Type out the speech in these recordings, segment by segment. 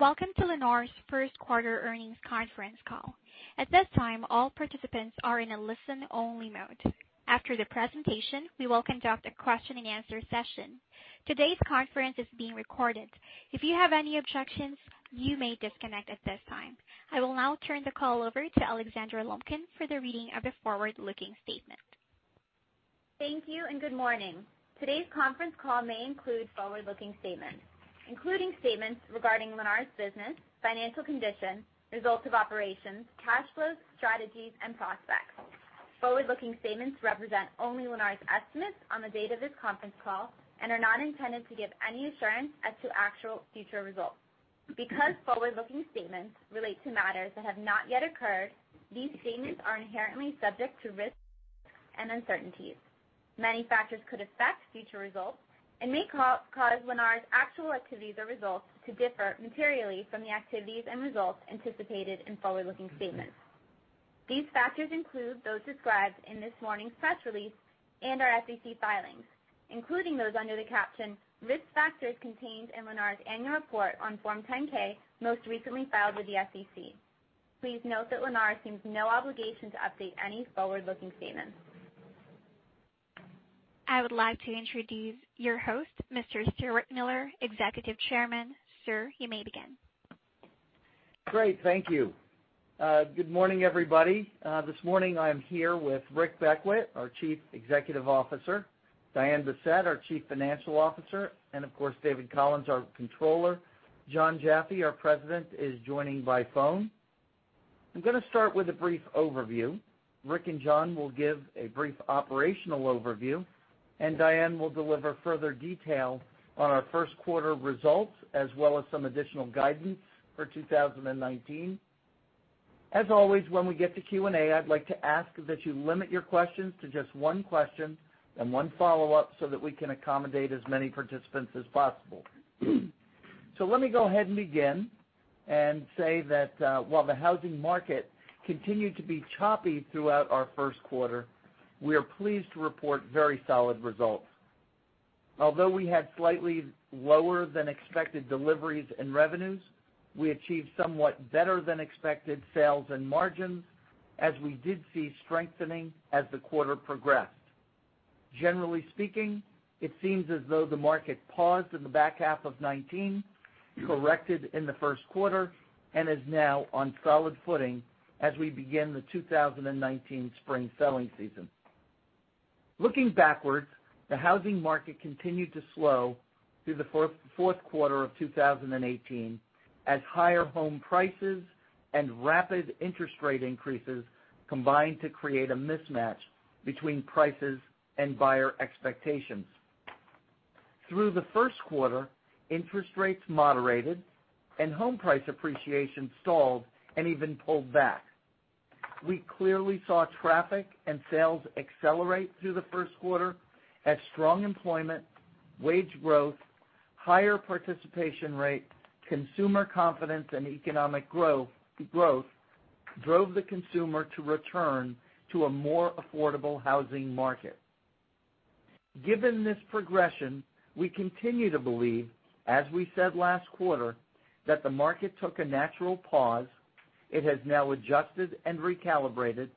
Welcome to Lennar's first quarter earnings conference call. At this time, all participants are in a listen-only mode. After the presentation, we will conduct a question-and-answer session. Today's conference is being recorded. If you have any objections, you may disconnect at this time. I will now turn the call over to Alexandra Lumpkin for the reading of the forward-looking statement. Thank you. Good morning. Today's conference call may include forward-looking statements, including statements regarding Lennar's business, financial condition, results of operations, cash flows, strategies, and prospects. Forward-looking statements represent only Lennar's estimates on the date of this conference call and are not intended to give any assurance as to actual future results. Because forward-looking statements relate to matters that have not yet occurred, these statements are inherently subject to risks and uncertainties. Many factors could affect future results and may cause Lennar's actual activities or results to differ materially from the activities and results anticipated in forward-looking statements. These factors include those described in this morning's press release and our SEC filings, including those under the caption risk factors contained in Lennar's annual report on Form 10-K, most recently filed with the SEC. Please note that Lennar assumes no obligation to update any forward-looking statement. I would like to introduce your host, Mr. Stuart Miller, Executive Chairman. Sir, you may begin. Great. Thank you. Good morning, everybody. This morning I'm here with Rick Beckwitt, our Chief Executive Officer, Diane Bessette, our Chief Financial Officer, and of course, David Collins, our Controller. Jon Jaffe, our President, is joining by phone. I'm going to start with a brief overview. Rick and Jon will give a brief operational overview, and Diane will deliver further detail on our first quarter results, as well as some additional guidance for 2019. As always, when we get to Q&A, I'd like to ask that you limit your questions to just one question and one follow-up so that we can accommodate as many participants as possible. Let me go ahead and begin and say that while the housing market continued to be choppy throughout our first quarter, we are pleased to report very solid results. Although we had slightly lower than expected deliveries and revenues, we achieved somewhat better-than-expected sales and margins, as we did see strengthening as the quarter progressed. Generally speaking, it seems as though the market paused in the back half of 2019, corrected in the first quarter, and is now on solid footing as we begin the 2019 spring selling season. Looking backwards, the housing market continued to slow through the fourth quarter of 2018 as higher home prices and rapid interest rate increases combined to create a mismatch between prices and buyer expectations. Through the first quarter, interest rates moderated and home price appreciation stalled and even pulled back. We clearly saw traffic and sales accelerate through the first quarter as strong employment, wage growth, higher participation rate, consumer confidence, and economic growth drove the consumer to return to a more affordable housing market. Given this progression, we continue to believe, as we said last quarter, that the market took a natural pause. It has now adjusted and recalibrated,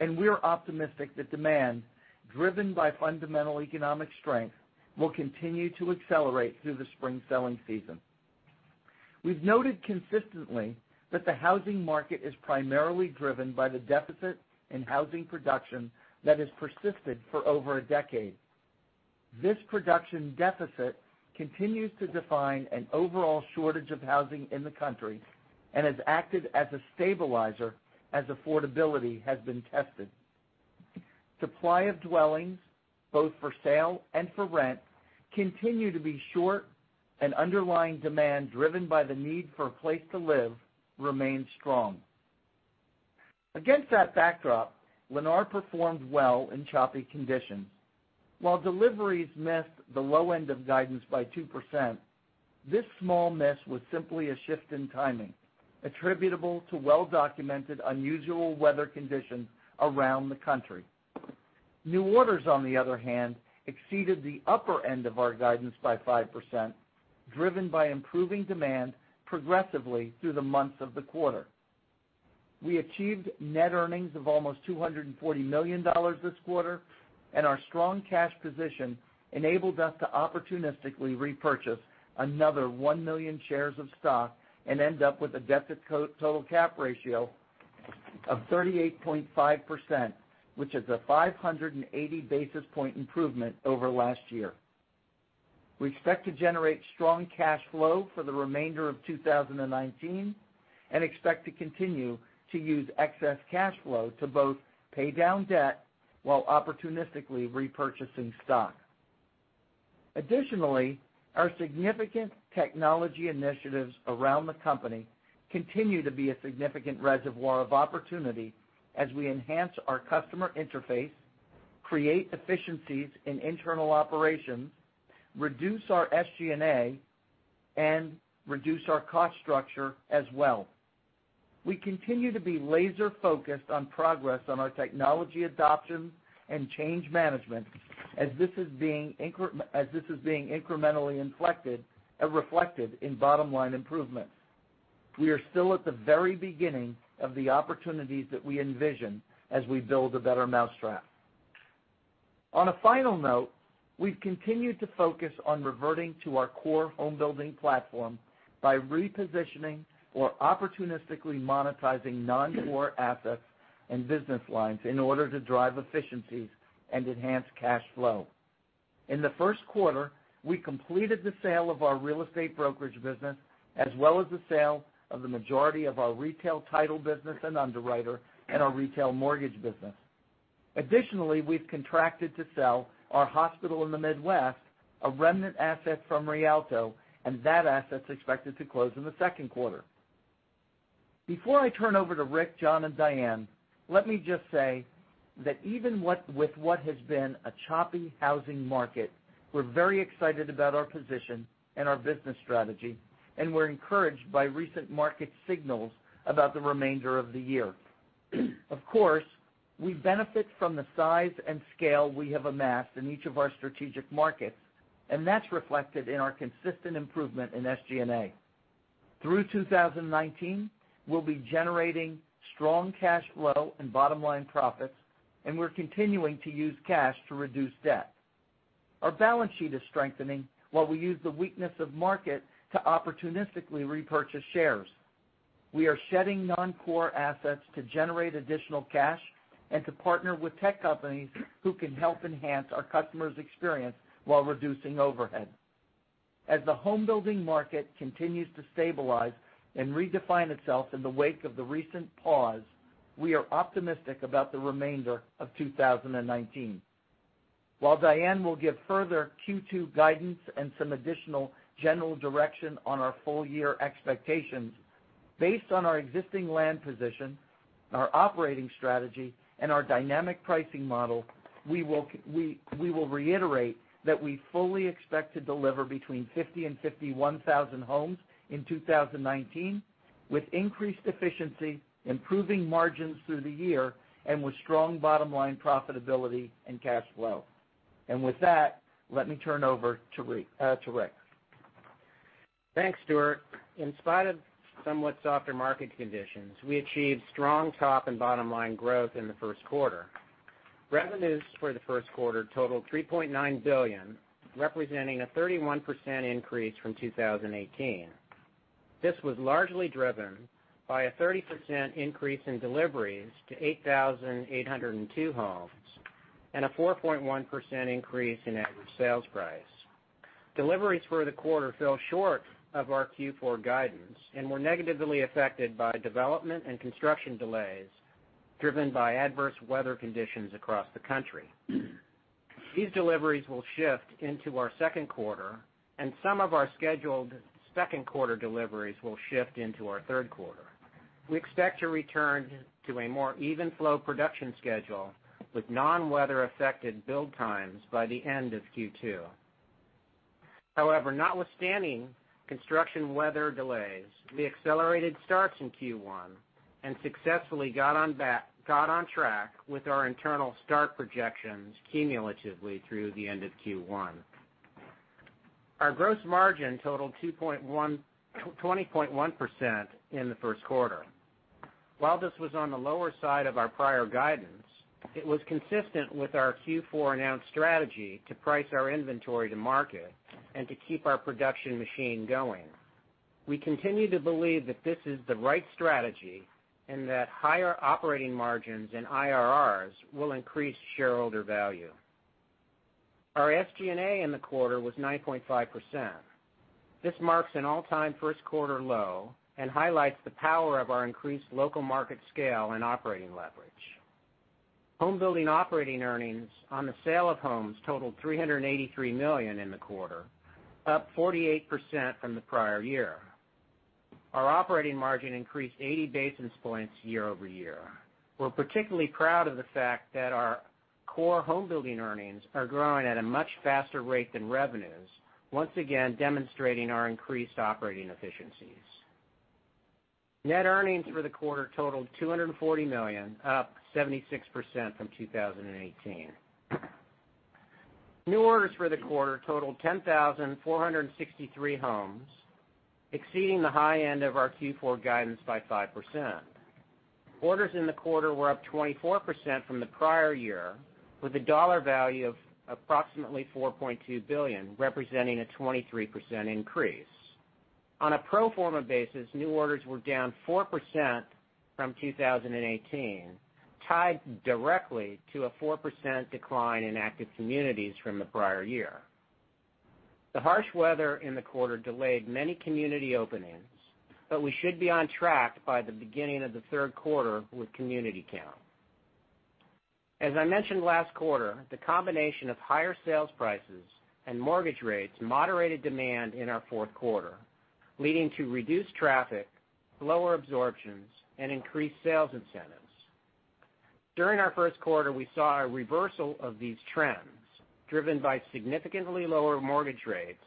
and we are optimistic that demand, driven by fundamental economic strength, will continue to accelerate through the spring selling season. We've noted consistently that the housing market is primarily driven by the deficit in housing production that has persisted for over a decade. This production deficit continues to define an overall shortage of housing in the country and has acted as a stabilizer as affordability has been tested. Supply of dwellings, both for sale and for rent, continue to be short, and underlying demand, driven by the need for a place to live, remains strong. Against that backdrop, Lennar performed well in choppy conditions. While deliveries missed the low end of guidance by 2%, this small miss was simply a shift in timing attributable to well-documented unusual weather conditions around the country. New orders, on the other hand, exceeded the upper end of our guidance by 5%, driven by improving demand progressively through the months of the quarter. We achieved net earnings of almost $240 million this quarter, and our strong cash position enabled us to opportunistically repurchase another 1 million shares of stock and end up with a debt-to-total-cap ratio of 38.5%, which is a 580-basis-point improvement over last year. We expect to generate strong cash flow for the remainder of 2019 and expect to continue to use excess cash flow to both pay down debt while opportunistically repurchasing stock. Additionally, our significant technology initiatives around the company continue to be a significant reservoir of opportunity as we enhance our customer interface, create efficiencies in internal operations, reduce our SG&A, and reduce our cost structure as well. We continue to be laser-focused on progress on our technology adoption and change management as this is being incrementally inflected and reflected in bottom-line improvements. We are still at the very beginning of the opportunities that we envision as we build a better mousetrap. On a final note, we've continued to focus on reverting to our core homebuilding platform by repositioning or opportunistically monetizing non-core assets and business lines in order to drive efficiencies and enhance cash flow. In the first quarter, we completed the sale of our real estate brokerage business, as well as the sale of the majority of our retail title business and underwriter and our retail mortgage business. Additionally, we've contracted to sell our hospital in the Midwest, a remnant asset from Rialto, and that asset's expected to close in the second quarter. Before I turn over to Rick, Jon, and Diane, let me just say that even with what has been a choppy housing market, we're very excited about our position and our business strategy, and we're encouraged by recent market signals about the remainder of the year. Of course, we benefit from the size and scale we have amassed in each of our strategic markets, and that's reflected in our consistent improvement in SG&A. Through 2019, we'll be generating strong cash flow and bottom-line profits, and we're continuing to use cash to reduce debt. Our balance sheet is strengthening while we use the weakness of market to opportunistically repurchase shares. We are shedding non-core assets to generate additional cash and to partner with tech companies who can help enhance our customers' experience while reducing overhead. As the home building market continues to stabilize and redefine itself in the wake of the recent pause, we are optimistic about the remainder of 2019. While Diane will give further Q2 guidance and some additional general direction on our full year expectations, based on our existing land position, our operating strategy, and our dynamic pricing model, we will reiterate that we fully expect to deliver between 50,000 and 51,000 homes in 2019 with increased efficiency, improving margins through the year, and with strong bottom-line profitability and cash flow. With that, let me turn over to Rick. Thanks, Stuart. In spite of somewhat softer market conditions, we achieved strong top and bottom-line growth in the first quarter. Revenues for the first quarter totaled $3.9 billion, representing a 31% increase from 2018. This was largely driven by a 30% increase in deliveries to 8,802 homes and a 4.1% increase in average sales price. Deliveries for the quarter fell short of our Q4 guidance and were negatively affected by development and construction delays driven by adverse weather conditions across the country. These deliveries will shift into our second quarter, and some of our scheduled second quarter deliveries will shift into our third quarter. We expect to return to a more even flow production schedule with non-weather-affected build times by the end of Q2. However, notwithstanding construction weather delays, we accelerated starts in Q1 and successfully got on track with our internal start projections cumulatively through the end of Q1. Our gross margin totaled 20.1% in the first quarter. While this was on the lower side of our prior guidance, it was consistent with our Q4 announced strategy to price our inventory to market and to keep our production machine going. We continue to believe that this is the right strategy and that higher operating margins and IRRs will increase shareholder value. Our SG&A in the quarter was 9.5%. This marks an all-time first-quarter low and highlights the power of our increased local market scale and operating leverage. Home building operating earnings on the sale of homes totaled $383 million in the quarter, up 48% from the prior year. Our operating margin increased 80 basis points year-over-year. We're particularly proud of the fact that our core home building earnings are growing at a much faster rate than revenues, once again demonstrating our increased operating efficiencies. Net earnings for the quarter totaled $240 million, up 76% from 2018. New orders for the quarter totaled 10,463 homes, exceeding the high end of our Q4 guidance by 5%. Orders in the quarter were up 24% from the prior year with a dollar value of approximately $4.2 billion, representing a 23% increase. On a pro forma basis, new orders were down 4% from 2018, tied directly to a 4% decline in active communities from the prior year. The harsh weather in the quarter delayed many community openings, but we should be on track by the beginning of the third quarter with community count. As I mentioned last quarter, the combination of higher sales prices and mortgage rates moderated demand in our fourth quarter, leading to reduced traffic, lower absorptions, and increased sales incentives. During our first quarter, we saw a reversal of these trends driven by significantly lower mortgage rates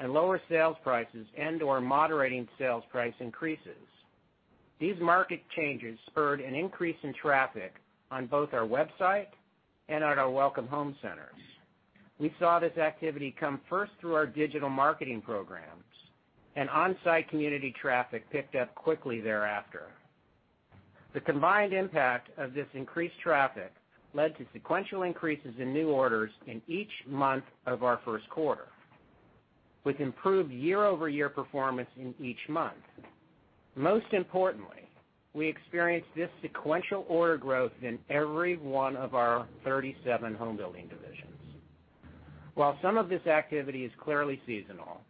and lower sales prices and/or moderating sales price increases. These market changes spurred an increase in traffic on both our website and at our Welcome Home Centers. We saw this activity come first through our digital marketing programs, and on-site community traffic picked up quickly thereafter. The combined impact of this increased traffic led to sequential increases in new orders in each month of our first quarter, with improved year-over-year performance in each month. Most importantly, we experienced this sequential order growth in every one of our 37 home building divisions. While some of this activity is clearly seasonal,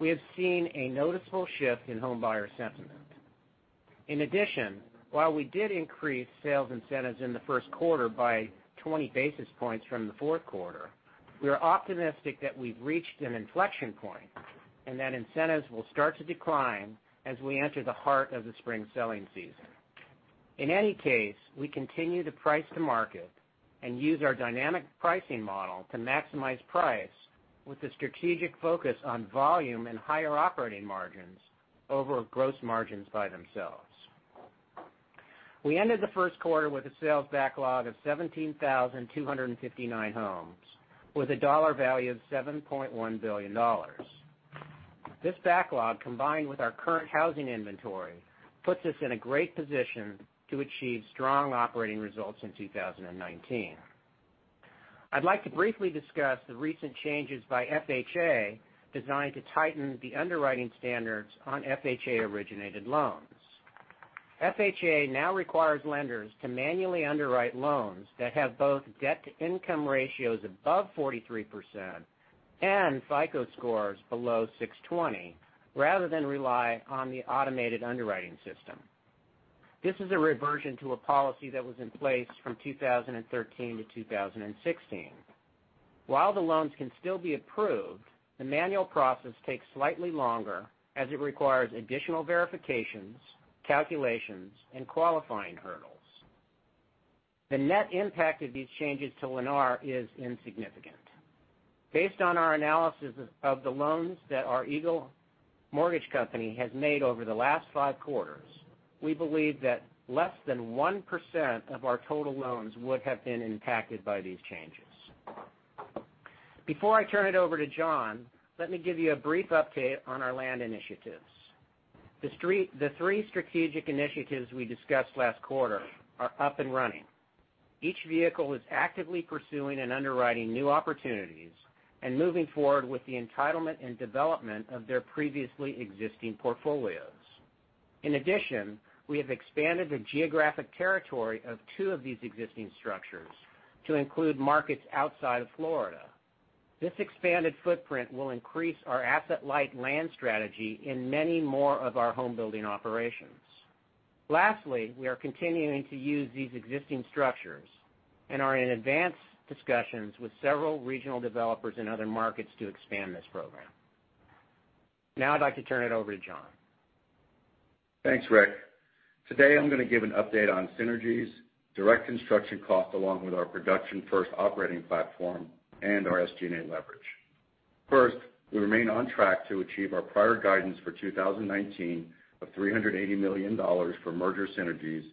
we have seen a noticeable shift in home buyer sentiment. In addition, while we did increase sales incentives in the first quarter by 20 basis points from the fourth quarter, we are optimistic that we've reached an inflection point, and that incentives will start to decline as we enter the heart of the spring selling season. In any case, we continue to price the market and use our dynamic pricing model to maximize price with a strategic focus on volume and higher operating margins over gross margins by themselves. We ended the first quarter with a sales backlog of 17,259 homes with a dollar value of $7.1 billion. This backlog, combined with our current housing inventory, puts us in a great position to achieve strong operating results in 2019. I'd like to briefly discuss the recent changes by FHA designed to tighten the underwriting standards on FHA-originated loans. FHA now requires lenders to manually underwrite loans that have both debt-to-income ratios above 43% and FICO scores below 620, rather than rely on the automated underwriting system. This is a reversion to a policy that was in place from 2013 to 2016. While the loans can still be approved, the manual process takes slightly longer as it requires additional verifications, calculations, and qualifying hurdles. The net impact of these changes to Lennar is insignificant. Based on our analysis of the loans that our Eagle Mortgage company has made over the last five quarters, we believe that less than 1% of our total loans would have been impacted by these changes. Before I turn it over to Jon, let me give you a brief update on our land initiatives. The three strategic initiatives we discussed last quarter are up and running. Each vehicle is actively pursuing and underwriting new opportunities and moving forward with the entitlement and development of their previously existing portfolios. In addition, we have expanded the geographic territory of two of these existing structures to include markets outside of Florida. This expanded footprint will increase our asset-light land strategy in many more of our homebuilding operations. Lastly, we are continuing to use these existing structures and are in advanced discussions with several regional developers in other markets to expand this program. Now I'd like to turn it over to Jon. Thanks, Rick. Today, I'm going to give an update on synergies, direct construction cost, along with our production-first operating platform and our SG&A leverage. First, we remain on track to achieve our prior guidance for 2019 of $380 million for merger synergies,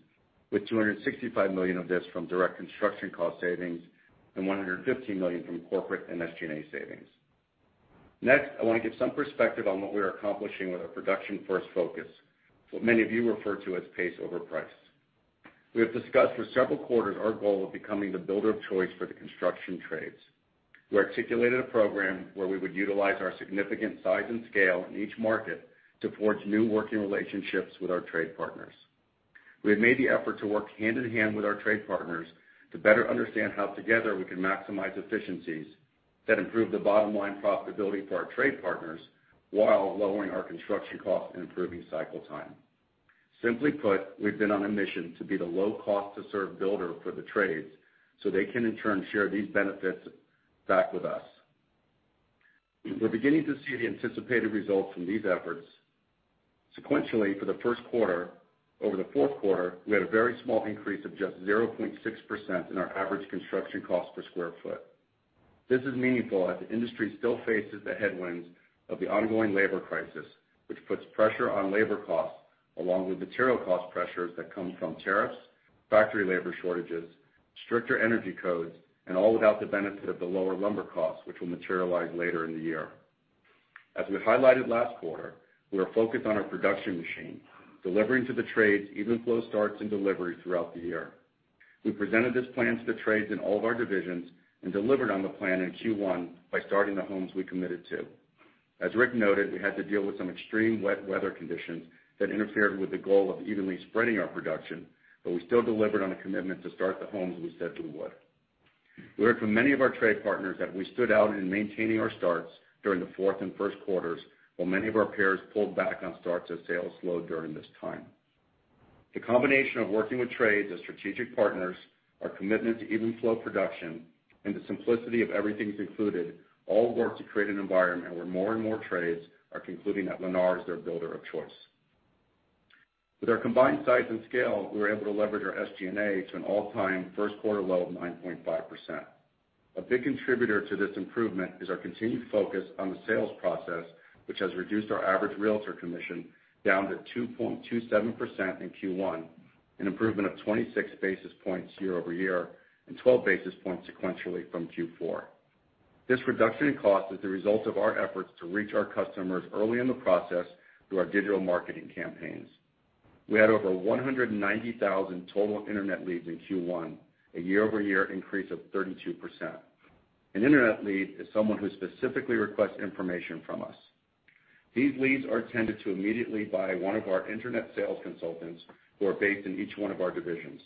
with $265 million of this from direct construction cost savings and $150 million from corporate and SG&A savings. Next, I want to give some perspective on what we are accomplishing with our production-first focus, what many of you refer to as pace over price. We have discussed for several quarters our goal of becoming the builder of choice for the construction trades. We articulated a program where we would utilize our significant size and scale in each market to forge new working relationships with our trade partners. We have made the effort to work hand-in-hand with our trade partners to better understand how together we can maximize efficiencies that improve the bottom-line profitability for our trade partners while lowering our construction costs and improving cycle time. Simply put, we've been on a mission to be the low cost-to-serve builder for the trades so they can, in turn, share these benefits back with us. We're beginning to see the anticipated results from these efforts. Sequentially for the first quarter, over the fourth quarter, we had a very small increase of just 0.6% in our average construction cost per square foot. This is meaningful as the industry still faces the headwinds of the ongoing labor crisis, which puts pressure on labor costs along with material cost pressures that come from tariffs, factory labor shortages, stricter energy codes, and all without the benefit of the lower lumber costs, which will materialize later in the year. As we highlighted last quarter, we are focused on our production machine, delivering to the trades even flow starts and deliveries throughout the year. We presented this plan to the trades in all of our divisions and delivered on the plan in Q1 by starting the homes we committed to. As Rick noted, we had to deal with some extreme wet weather conditions that interfered with the goal of evenly spreading our production, but we still delivered on a commitment to start the homes we said we would. We heard from many of our trade partners that we stood out in maintaining our starts during the fourth and first quarters, while many of our peers pulled back on starts as sales slowed during this time. The combination of working with trades as strategic partners, our commitment to even flow production, and the simplicity of Everything's Included all work to create an environment where more and more trades are concluding that Lennar is their builder of choice. With our combined size and scale, we were able to leverage our SG&A to an all-time first quarter low of 9.5%. A big contributor to this improvement is our continued focus on the sales process, which has reduced our average realtor commission down to 2.27% in Q1, an improvement of 26 basis points year-over-year, and 12 basis points sequentially from Q4. This reduction in cost is the result of our efforts to reach our customers early in the process through our digital marketing campaigns. We had over 190,000 total internet leads in Q1, a year-over-year increase of 32%. An internet lead is someone who specifically requests information from us. These leads are tended to immediately by one of our internet sales consultants who are based in each one of our divisions.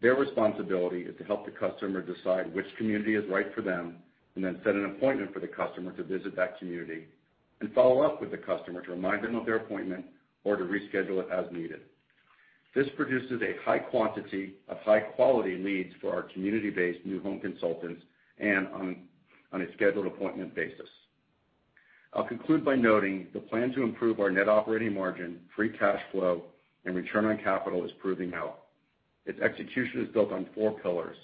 Their responsibility is to help the customer decide which community is right for them, and then set an appointment for the customer to visit that community, and follow up with the customer to remind them of their appointment or to reschedule it as needed. This produces a high quantity of high-quality leads for our community-based new home consultants and on a scheduled appointment basis. I'll conclude by noting the plan to improve our net operating margin, free cash flow, and return on capital is proving out. Its execution is built on four pillars.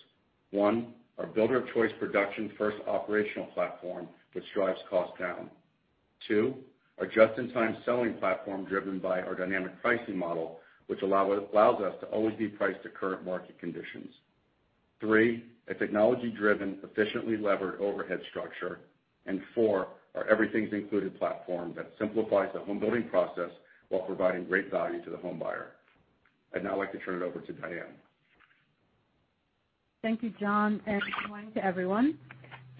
One, our builder of choice production first operational platform, which drives cost down. Two, our just-in-time selling platform driven by our dynamic pricing model, which allows us to always be priced to current market conditions. Three, a technology-driven, efficiently levered overhead structure, and four, our Everything's Included platform that simplifies the homebuilding process while providing great value to the home buyer. I'd now like to turn it over to Diane. Thank you, Jon, and good morning to everyone.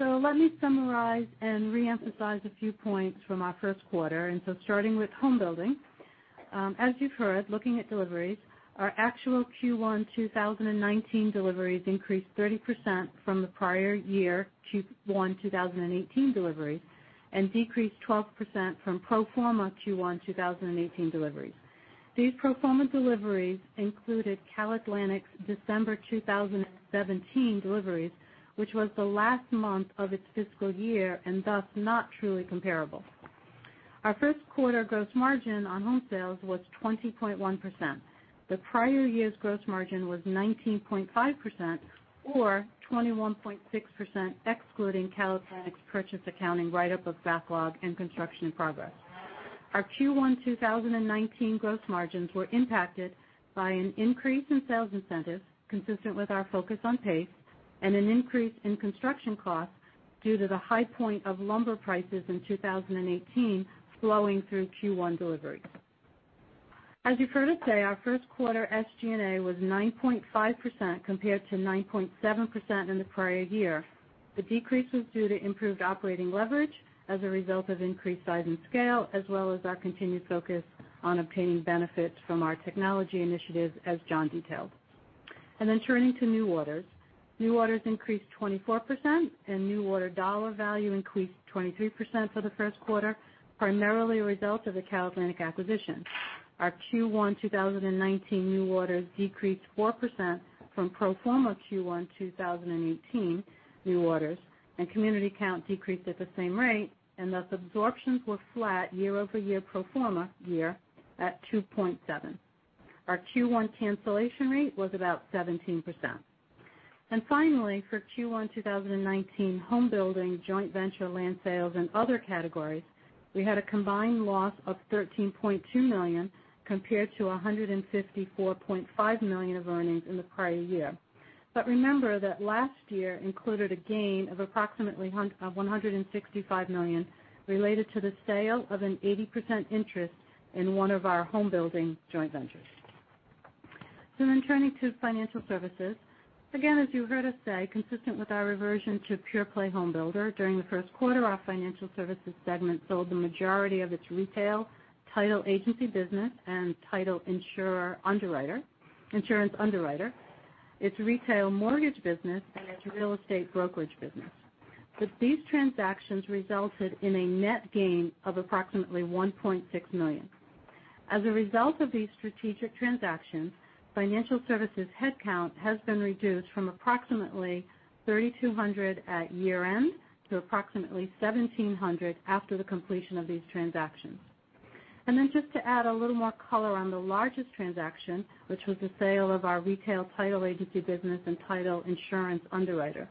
Let me summarize and reemphasize a few points from our first quarter. Starting with homebuilding. As you've heard, looking at deliveries, our actual Q1 2019 deliveries increased 30% from the prior year Q1 2018 deliveries and decreased 12% from pro forma Q1 2018 deliveries. These pro forma deliveries included CalAtlantic's December 2017 deliveries, which was the last month of its fiscal year, and thus not truly comparable. Our first quarter gross margin on home sales was 20.1%. The prior year's gross margin was 19.5%, or 21.6%, excluding CalAtlantic's purchase accounting write-up of backlog and construction progress. Our Q1 2019 gross margins were impacted by an increase in sales incentives consistent with our focus on pace, and an increase in construction costs due to the high point of lumber prices in 2018 flowing through Q1 deliveries. As you've heard us say, our first quarter SG&A was 9.5% compared to 9.7% in the prior year. The decrease was due to improved operating leverage as a result of increased size and scale, as well as our continued focus on obtaining benefits from our technology initiatives, as Jon detailed. Turning to new orders. New orders increased 24%, and new order dollar value increased 23% for the first quarter, primarily a result of the CalAtlantic acquisition. Our Q1 2019 new orders decreased 4% from pro forma Q1 2018 new orders, and community count decreased at the same rate, and thus absorptions were flat year-over-year pro forma year at 2.7. Our Q1 cancellation rate was about 17%. Finally, for Q1 2019 home building joint venture land sales and other categories, we had a combined loss of $13.2 million compared to $154.5 million of earnings in the prior year. Remember that last year included a gain of approximately $165 million related to the sale of an 80% interest in one of our home building joint ventures. Turning to Financial Services. Again, as you heard us say, consistent with our reversion to pure play home builder, during the first quarter, our Financial Services segment sold the majority of its retail title agency business and title insurer underwriter, its retail mortgage business, and its real estate brokerage business. These transactions resulted in a net gain of approximately $1.6 million. As a result of these strategic transactions, Financial Services headcount has been reduced from approximately 3,200 at year end to approximately 1,700 after the completion of these transactions. Just to add a little more color on the largest transaction, which was the sale of our retail title agency business and title insurance underwriter.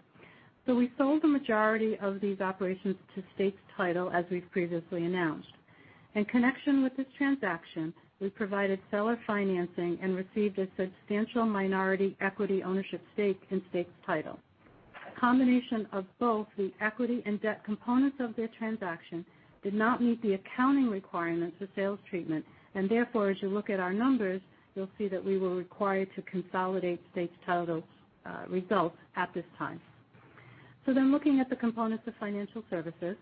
We sold the majority of these operations to States Title, as we've previously announced. In connection with this transaction, we provided seller financing and received a substantial minority equity ownership stake in States Title. A combination of both the equity and debt components of their transaction did not meet the accounting requirements for sales treatment, and therefore, as you look at our numbers, you'll see that we were required to consolidate States Title's results at this time. Looking at the components of Financial Services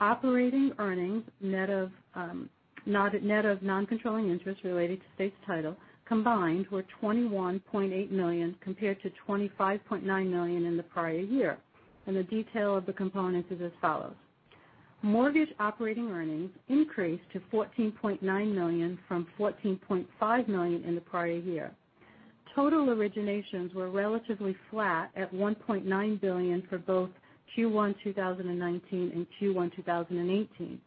operating earnings, net of non-controlling interest related to States Title, combined were $21.8 million, compared to $25.9 million in the prior year. The detail of the components is as follows. Mortgage operating earnings increased to $14.9 million from $14.5 million in the prior year. Total originations were relatively flat at $1.9 billion for both Q1 2019 and Q1 2018.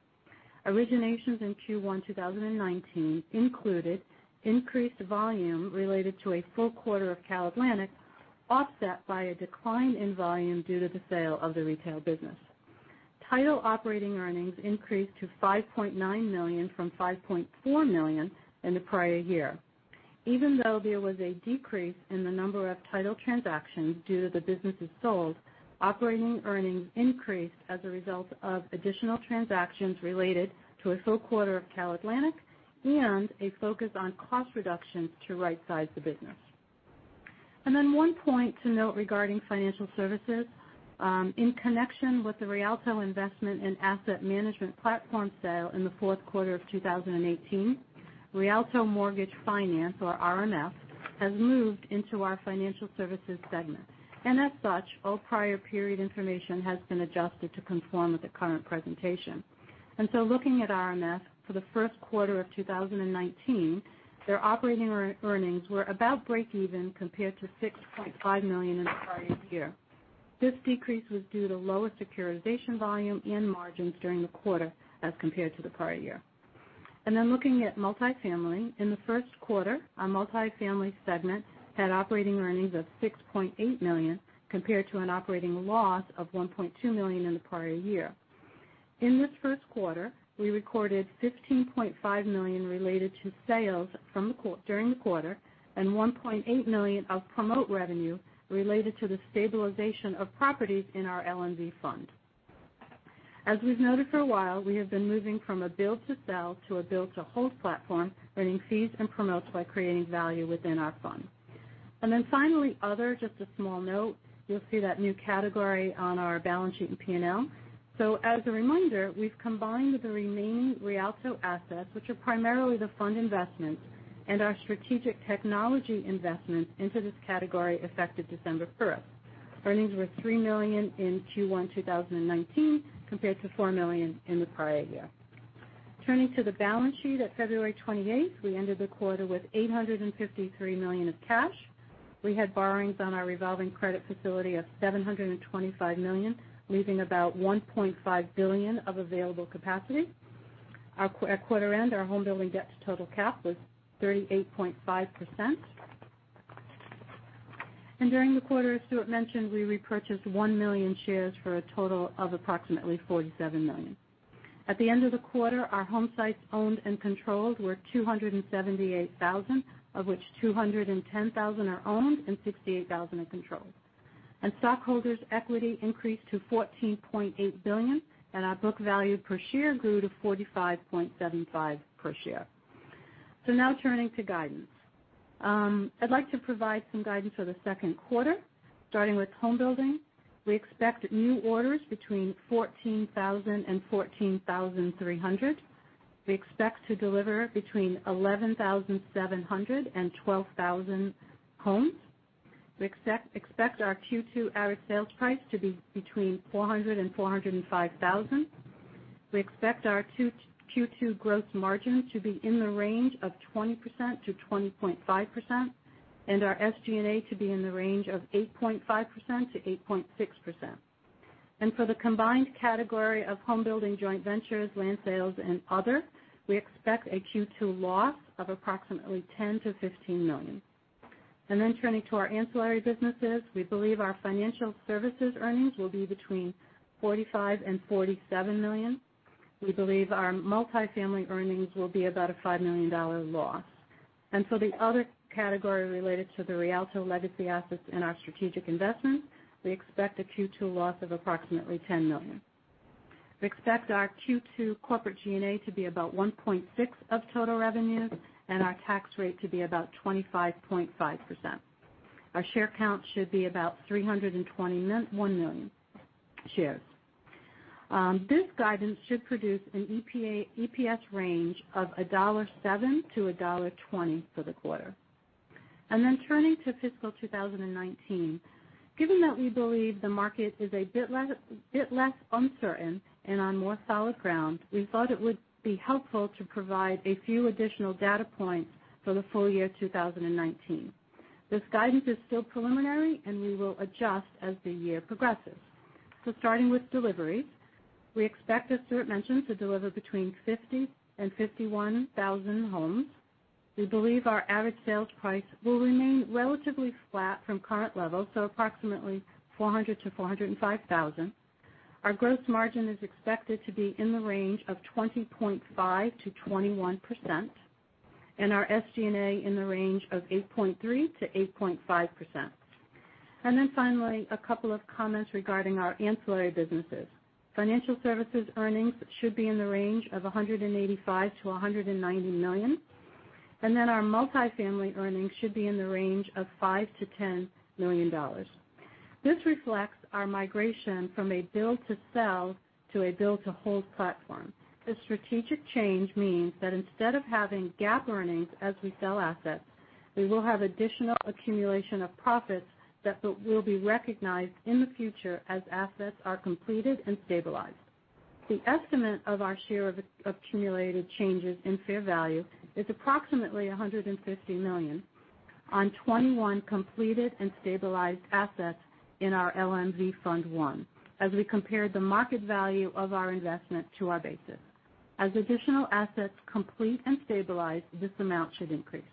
Originations in Q1 2019 included increased volume related to a full quarter of CalAtlantic, offset by a decline in volume due to the sale of the retail business. Title operating earnings increased to $5.9 million from $5.4 million in the prior year. Even though there was a decrease in the number of title transactions due to the businesses sold, operating earnings increased as a result of additional transactions related to a full quarter of CalAtlantic, and a focus on cost reductions to right size the business. One point to note regarding Financial Services. In connection with the Rialto investment and asset management platform sale in the fourth quarter of 2018, Rialto Mortgage Finance, or RMF, has moved into our Financial Services segment. As such, all prior period information has been adjusted to conform with the current presentation. Looking at RMF for the first quarter of 2019, their operating earnings were about break even, compared to $6.5 million in the prior year. This decrease was due to lower securitization volume and margins during the quarter as compared to the prior year. Looking at Multifamily. In the first quarter, our Multifamily segment had operating earnings of $6.8 million, compared to an operating loss of $1.2 million in the prior year. In this first quarter, we recorded $15.5 million related to sales during the quarter, and $1.8 million of promote revenue related to the stabilization of properties in our LMV fund. As we've noted for a while, we have been moving from a build to sell to a build to hold platform, earning fees and promotes by creating value within our fund. Finally, other, just a small note. You'll see that new category on our balance sheet and P&L. As a reminder, we've combined the remaining Rialto assets, which are primarily the fund investments, and our strategic technology investments into this category effective December 1st. Earnings were $3 million in Q1 2019 compared to $4 million in the prior year. Turning to the balance sheet at February 28th. We ended the quarter with $853 million of cash. We had borrowings on our revolving credit facility of $725 million, leaving about $1.5 billion of available capacity. At quarter end, our homebuilding debt-to-total-cap was 38.5%. During the quarter, as Stuart mentioned, we repurchased 1 million shares for a total of approximately $47 million. At the end of the quarter, our homesites owned and controlled were 278,000, of which 210,000 are owned and 68,000 are controlled. Stockholders' equity increased to $14.8 billion, and our book value per share grew to $45.75 per share. Now turning to guidance. I'd like to provide some guidance for the second quarter, starting with homebuilding. We expect new orders between 14,000 and 14,300. We expect to deliver between 11,700 and 12,000 homes. We expect our Q2 average sales price to be between $400,000 and $405,000. We expect our Q2 gross margin to be in the range of 20%-20.5%, and our SG&A to be in the range of 8.5%-8.6%. For the combined category of homebuilding joint ventures, land sales, and other, we expect a Q2 loss of approximately $10 million-$15 million. Turning to our ancillary businesses. We believe our Financial Services earnings will be between $45 million and $47 million. We believe our Multifamily earnings will be about a $5 million loss. The other category related to the Rialto legacy assets and our strategic technology investments, we expect a Q2 loss of approximately $10 million. We expect our Q2 corporate G&A to be about 1.6% of total revenues and our tax rate to be about 25.5%. Our share count should be about 321 million shares. This guidance should produce an EPS range of $1.07 to $1.20 for the quarter. Turning to fiscal 2019. Given that we believe the market is a bit less uncertain and on more solid ground, we thought it would be helpful to provide a few additional data points for the full year 2019. This guidance is still preliminary, and we will adjust as the year progresses. Starting with deliveries. We expect, as Stuart mentioned, to deliver between 50,000 and 51,000 homes. We believe our average sales price will remain relatively flat from current levels, so approximately $400,000-$405,000. Our gross margin is expected to be in the range of 20.5%-21%, and our SG&A in the range of 8.3%-8.5%. Finally, a couple of comments regarding our ancillary businesses. Financial Services earnings should be in the range of $185 million-$190 million. Our multifamily earnings should be in the range of $5 million-$10 million. This reflects our migration from a build to sell to a build to hold platform. This strategic change means that instead of having GAAP earnings as we sell assets, we will have additional accumulation of profits that will be recognized in the future as assets are completed and stabilized. The estimate of our share of accumulated changes in fair value is approximately $150 million on 21 completed and stabilized assets in our LMV I, as we compare the market value of our investment to our basis. As additional assets complete and stabilize, this amount should increase.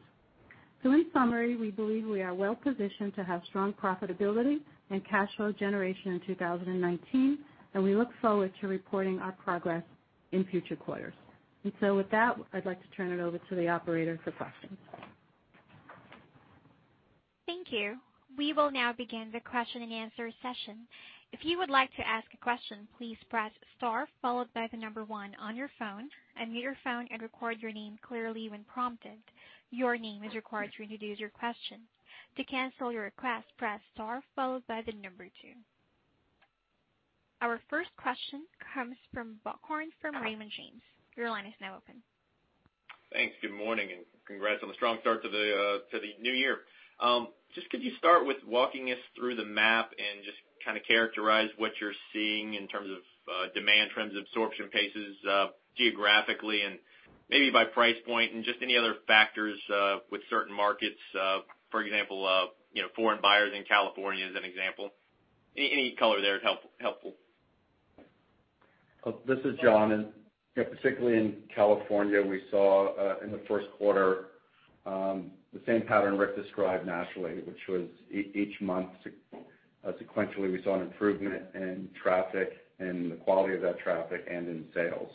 In summary, we believe we are well-positioned to have strong profitability and cash flow generation in 2019, and we look forward to reporting our progress in future quarters. With that, I'd like to turn it over to the operator for questions. Thank you. We will now begin the question and answer session. If you would like to ask a question, please press star followed by the number one on your phone, unmute your phone and record your name clearly when prompted. Your name is required to introduce your question. To cancel your request, press star followed by the number two. Our first question comes from Buck Horne from Raymond James. Your line is now open. Thanks. Good morning. Congrats on the strong start to the new year. Could you start with walking us through the map kind of characterize what you're seeing in terms of demand, trends, absorption paces geographically and maybe by price point, any other factors with certain markets, for example foreign buyers in California as an example. Any color there is helpful. This is Jon. Particularly in California, we saw in the first quarter the same pattern Rick described nationally, which was each month sequentially, we saw an improvement in traffic and the quality of that traffic and in sales.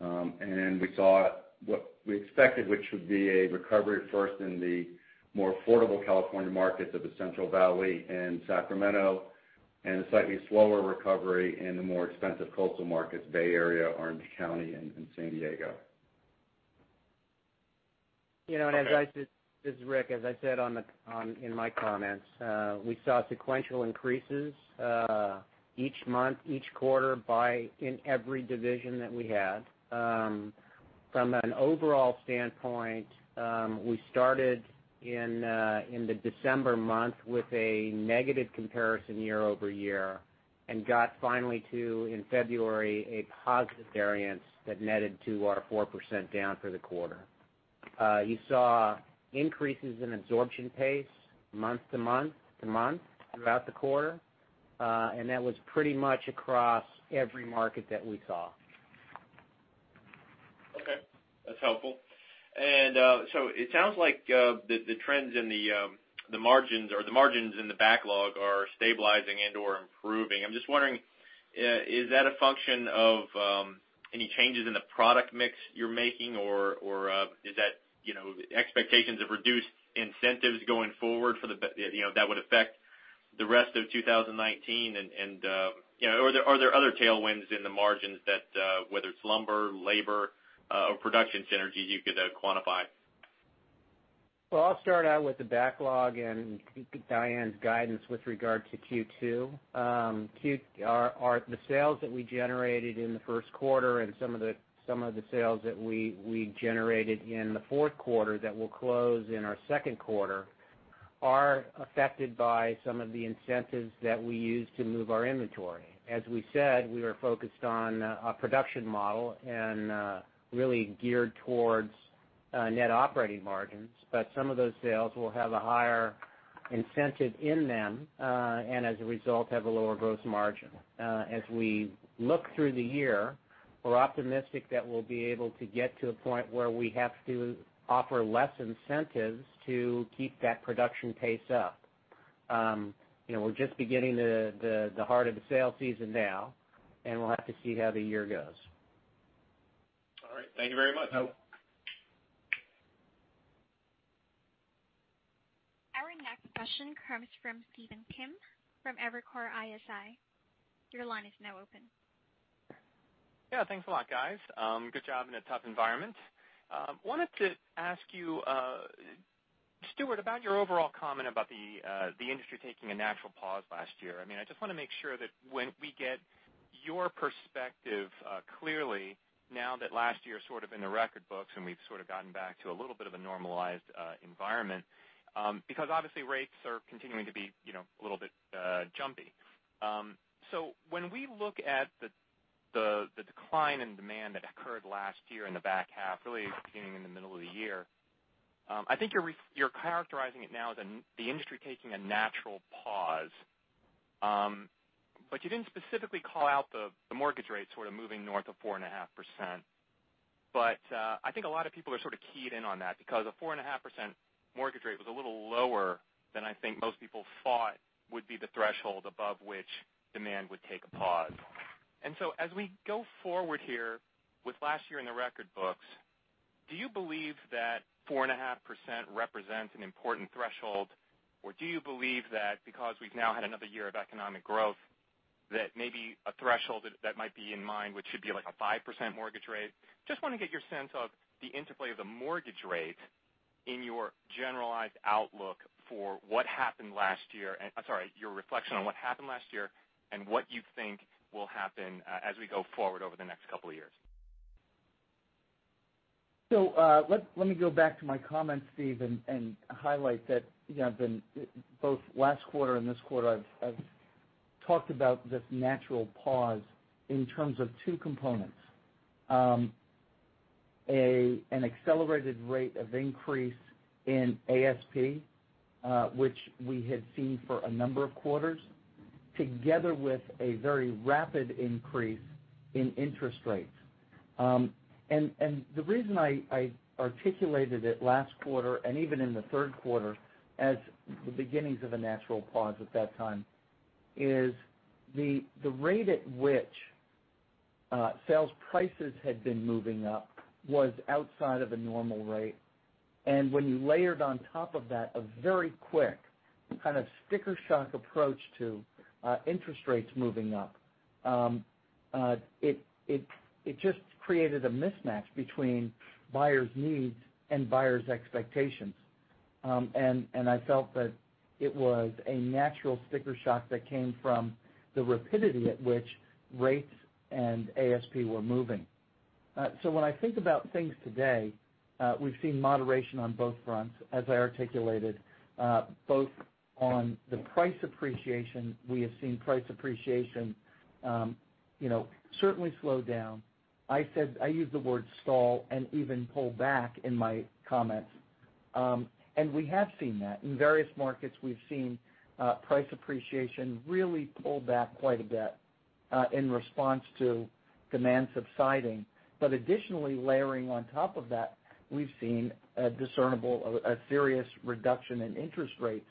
We saw what we expected, which would be a recovery first in the more affordable California markets of the Central Valley and Sacramento, and a slightly slower recovery in the more expensive coastal markets, Bay Area, Orange County, and San Diego. Okay. This is Rick. As I said in my comments, we saw sequential increases each month, each quarter in every division that we had. From an overall standpoint, we started in the December month with a negative comparison year-over-year, got finally to, in February, a positive variance that netted to our 4% down for the quarter. You saw increases in absorption pace month-to-month throughout the quarter. That was pretty much across every market that we saw. Okay. That's helpful. It sounds like the trends in the margins or the margins in the backlog are stabilizing and/or improving. I'm wondering, is that a function of any changes in the product mix you're making, or is that expectations of reduced incentives going forward that would affect the rest of 2019? Are there other tailwinds in the margins that, whether it's lumber, labor, or production synergies you could quantify? Well, I'll start out with the backlog and Diane's guidance with regard to Q2. The sales that we generated in the first quarter and some of the sales that we generated in the fourth quarter that will close in our second quarter are affected by some of the incentives that we use to move our inventory. As we said, we are focused on a production model and really geared towards net operating margins. Some of those sales will have a higher incentive in them, and as a result, have a lower gross margin. As we look through the year, we're optimistic that we'll be able to get to a point where we have to offer less incentives to keep that production pace up. We're just beginning the heart of the sales season now, and we'll have to see how the year goes. All right. Thank you very much. No. Our next question comes from Stephen Kim from Evercore ISI. Your line is now open. Yeah, thanks a lot, guys. Good job in a tough environment. Wanted to ask you, Stuart, about your overall comment about the industry taking a natural pause last year. I just want to make sure that when we get your perspective clearly now that last year's sort of in the record books, and we've sort of gotten back to a little bit of a normalized environment because obviously rates are continuing to be a little bit jumpy. When we look at the decline in demand that occurred last year in the back half, really beginning in the middle of the year, I think you're characterizing it now as the industry taking a natural pause. You didn't specifically call out the mortgage rate sort of moving north of 4.5%. I think a lot of people are sort of keyed in on that because a 4.5% mortgage rate was a little lower than I think most people thought would be the threshold above which demand would take a pause. As we go forward here with last year in the record books, do you believe that 4.5% represents an important threshold, or do you believe that because we've now had another year of economic growth, that maybe a threshold that might be in mind, which should be like a 5% mortgage rate? Just want to get your sense of the interplay of the mortgage rate in your reflection on what happened last year and what you think will happen as we go forward over the next couple of years. Let me go back to my comments, Stephen, and highlight that both last quarter and this quarter, I've talked about this natural pause in terms of two components. An accelerated rate of increase in ASP, which we had seen for a number of quarters, together with a very rapid increase in interest rates. The reason I articulated it last quarter and even in the third quarter as the beginnings of a natural pause at that time, is the rate at which sales prices had been moving up was outside of a normal rate. When you layered on top of that a very quick kind of sticker shock approach to interest rates moving up, it just created a mismatch between buyers' needs and buyers' expectations. I felt that it was a natural sticker shock that came from the rapidity at which rates and ASP were moving. When I think about things today, we've seen moderation on both fronts, as I articulated, both on the price appreciation. We have seen price appreciation certainly slow down. I used the word stall and even pull back in my comments, we have seen that. In various markets, we've seen price appreciation really pull back quite a bit in response to demand subsiding. Additionally, layering on top of that, we've seen a discernible, a serious reduction in interest rates.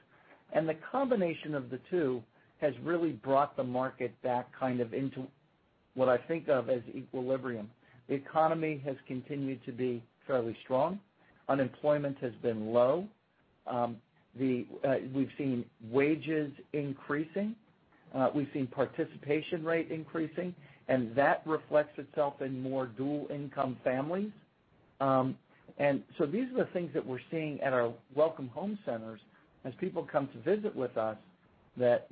The combination of the two has really brought the market back into what I think of as equilibrium. The economy has continued to be fairly strong. Unemployment has been low. We've seen wages increasing. We've seen participation rate increasing, and that reflects itself in more dual-income families. These are the things that we're seeing at our Welcome Home Centers as people come to visit with us, that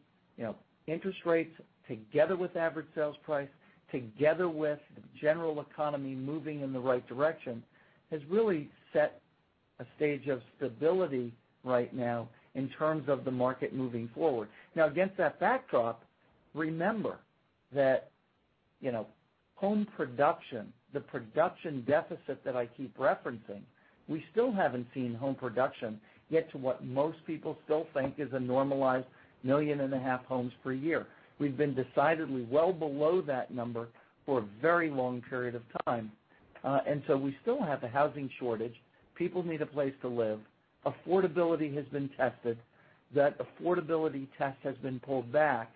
interest rates together with average sales price, together with the general economy moving in the right direction, has really set a stage of stability right now in terms of the market moving forward. Now against that backdrop, remember that home production, the production deficit that I keep referencing, we still haven't seen home production get to what most people still think is a normalized million and a half homes per year. We've been decidedly well below that number for a very long period of time. We still have a housing shortage. People need a place to live. Affordability has been tested. That affordability test has been pulled back.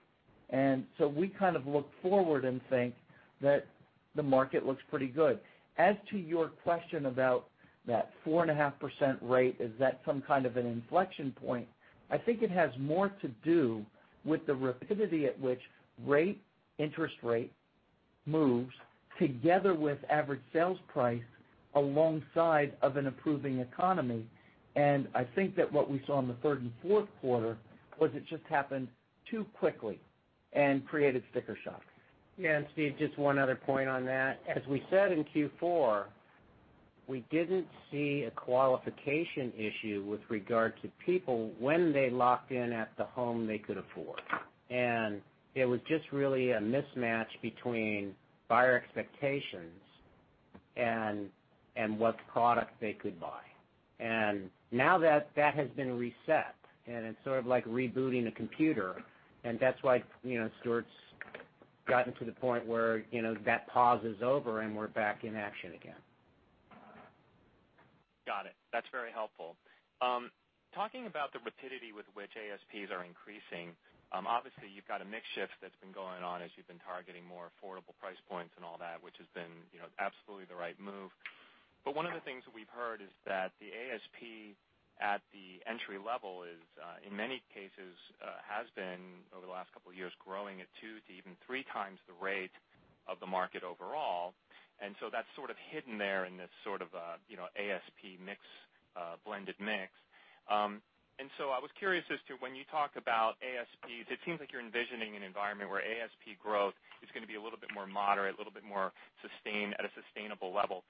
We kind of look forward and think that the market looks pretty good. As to your question about that 4.5% rate, is that some kind of an inflection point? I think it has more to do with the rapidity at which rate, interest rate, moves together with average sales price alongside of an improving economy. I think that what we saw in the third and fourth quarter was it just happened too quickly and created sticker shock. Yeah, Steve, just one other point on that. As we said in Q4, we didn't see a qualification issue with regard to people when they locked in at the home they could afford. It was just really a mismatch between buyer expectations and what product they could buy. Now that that has been reset, and it's sort of like rebooting a computer, that's why Stuart's gotten to the point where that pause is over and we're back in action again. Got it. That's very helpful. Talking about the rapidity with which ASPs are increasing, obviously you've got a mix shift that's been going on as you've been targeting more affordable price points and all that, which has been absolutely the right move. One of the things that we've heard is that the ASP at the entry level in many cases has been, over the last couple of years, growing at two to even three times the rate of the market overall, so that's sort of hidden there in this sort of ASP mix, blended mix. I was curious as to when you talk about ASPs, it seems like you're envisioning an environment where ASP growth is going to be a little bit more moderate, a little bit more sustained at a sustainable level.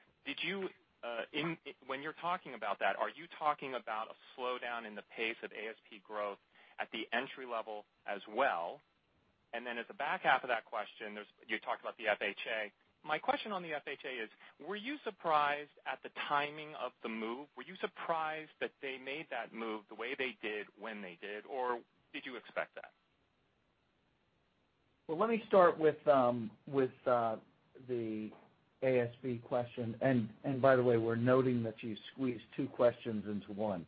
When you're talking about that, are you talking about a slowdown in the pace of ASP growth at the entry level as well? As a back half of that question, you talked about the FHA. My question on the FHA is, were you surprised at the timing of the move? Were you surprised that they made that move the way they did when they did, or did you expect that? Well, let me start with the ASP question. By the way, we're noting that you squeezed two questions into one.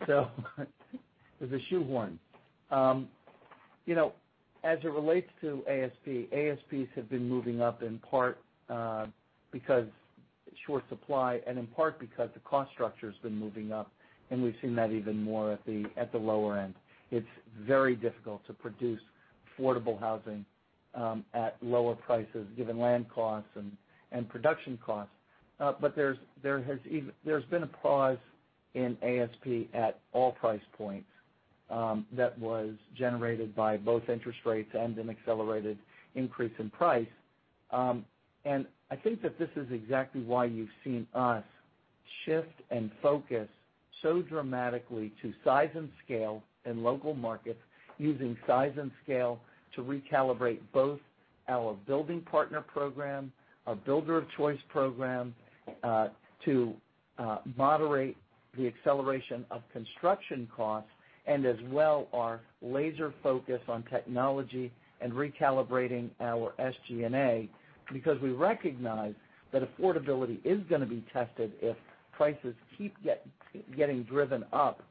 It's a shoe-horn. As it relates to ASP, ASPs have been moving up in part because short supply and in part because the cost structure has been moving up, and we've seen that even more at the lower end. It's very difficult to produce affordable housing at lower prices given land costs and production costs. There's been a pause in ASP at all price points that was generated by both interest rates and an accelerated increase in price. I think that this is exactly why you've seen us shift and focus so dramatically to size and scale in local markets, using size and scale to recalibrate both our building partner program, our builder of choice program, to moderate the acceleration of construction costs and as well our laser focus on technology and recalibrating our SG&A, because we recognize that affordability is going to be tested if prices keep getting driven up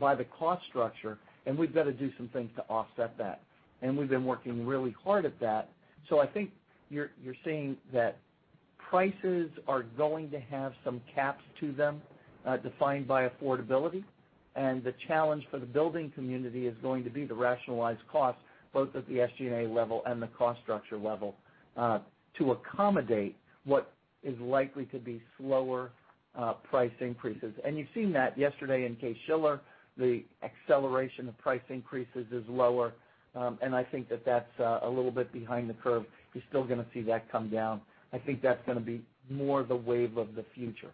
by the cost structure, and we've got to do some things to offset that. We've been working really hard at that. I think you're seeing that prices are going to have some caps to them, defined by affordability. The challenge for the building community is going to be to rationalize costs, both at the SG&A level and the cost structure level, to accommodate what is likely to be slower price increases. You've seen that yesterday in Case-Shiller, the acceleration of price increases is lower. I think that that's a little bit behind the curve. You're still going to see that come down. I think that's going to be more the wave of the future.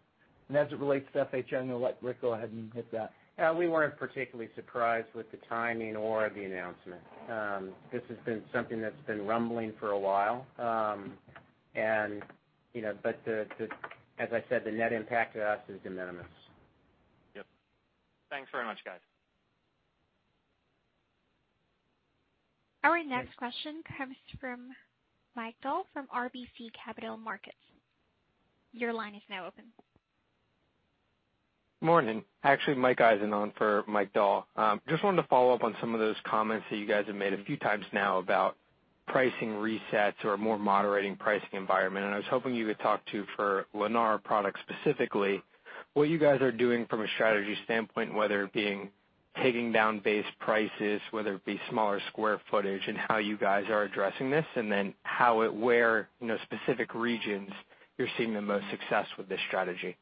As it relates to FHA, I'm going to let Rick go ahead and hit that. Yeah, we weren't particularly surprised with the timing or the announcement. This has been something that's been rumbling for a while. As I said, the net impact to us is de minimis. Yep. Thanks very much, guys. Our next question comes from Mike Dahl from RBC Capital Markets. Your line is now open. Morning. Actually, Mike Eisen on for Mike Dahl. Just wanted to follow up on some of those comments that you guys have made a few times now about pricing resets or a more moderating pricing environment. I was hoping you could talk to, for Lennar products specifically, what you guys are doing from a strategy standpoint, whether it being taking down base prices, whether it be smaller square footage, and how you guys are addressing this, and then where specific regions you're seeing the most success with this strategy.